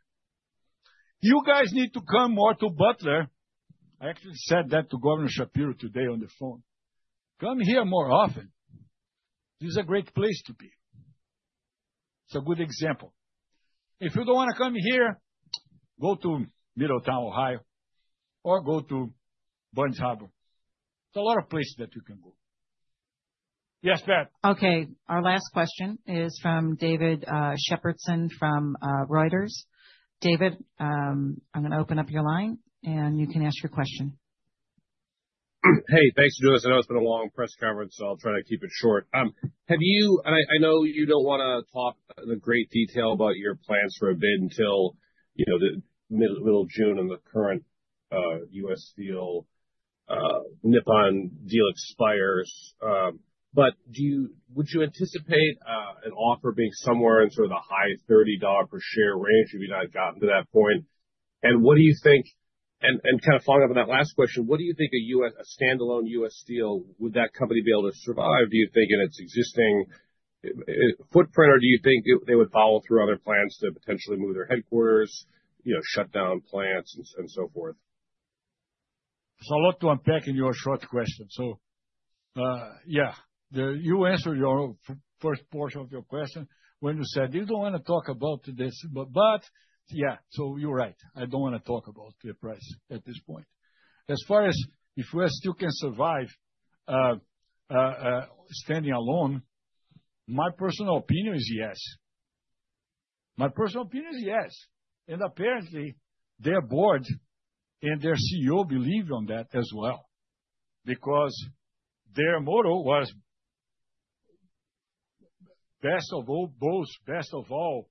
You guys need to come more to Butler. I actually said that to Governor Shapiro today on the phone. Come here more often. This is a great place to be. It's a good example. If you don't want to come here, go to Middletown, Ohio, or go to Burns Harbor. There's a lot of places that you can go. Yes, Pat. Okay. Our last question is from David Shepardson from Reuters. David, I'm going to open up your line, and you can ask your question. Hey, thanks, Jules. I know it's been a long press conference, so I'll try to keep it short and I know you don't want to talk in great detail about your plans for a bit until the middle of June and the current U.S. Steel Nippon deal expires. But would you anticipate an offer being somewhere in sort of the high $30 per share range if you had gotten to that point? And what do you think? And kind of following up on that last question, what do you think a standalone U.S. Steel, would that company be able to survive, do you think, in its existing footprint, or do you think they would follow through other plans to potentially move their headquarters, shut down plants, and so forth? There's a lot to unpack in your short question. So yeah, you answered your first portion of your question when you said you don't want to talk about this. But yeah, so you're right. I don't want to talk about the price at this point. As far as if U.S. Steel can survive standing alone, my personal opinion is yes. My personal opinion is yes, and apparently their board and their CEO believe on that as well because their motto was best of all, best of all,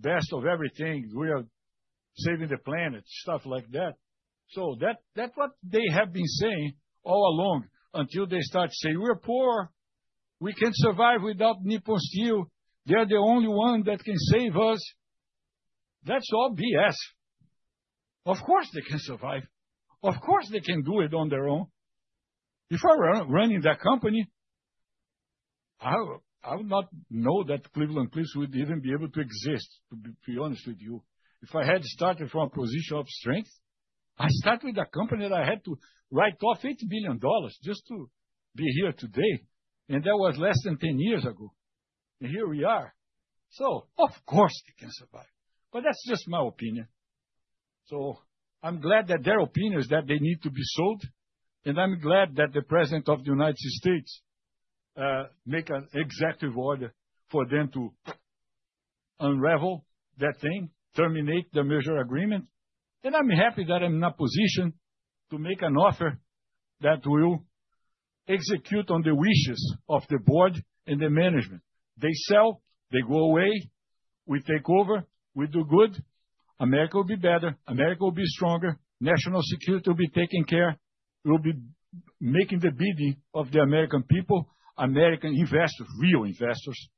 best of everything. We are saving the planet, stuff like that. So that's what they have been saying all along until they start to say, "We're poor. We can survive without Nippon Steel. They are the only one that can save us." That's all BS. Of course, they can survive. Of course, they can do it on their own. If I were running that company, I would not know that Cleveland-Cliffs would even be able to exist, to be honest with you. If I had started from a position of strength, I started with a company that I had to write off $8 billion just to be here today. And that was less than 10 years ago. And here we are. So of course, they can survive. But that's just my opinion. So I'm glad that their opinion is that they need to be sold. And I'm glad that the President of the United States made an executive order for them to unravel that thing, terminate the merger agreement. And I'm happy that I'm in a position to make an offer that will execute on the wishes of the board and the management. They sell, they go away. We take over. We do good. America will be better. America will be stronger. National security will be taken care of. We'll be making the bidding of the American people, American investors, real investors,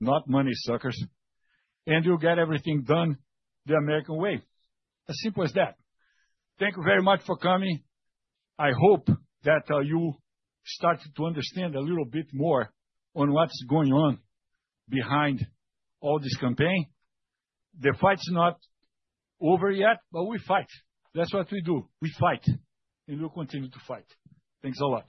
not money suckers. And you'll get everything done the American way. As simple as that. Thank you very much for coming. I hope that you started to understand a little bit more on what's going on behind all this campaign. The fight's not over yet, but we fight. That's what we do. We fight, and we'll continue to fight. Thanks a lot.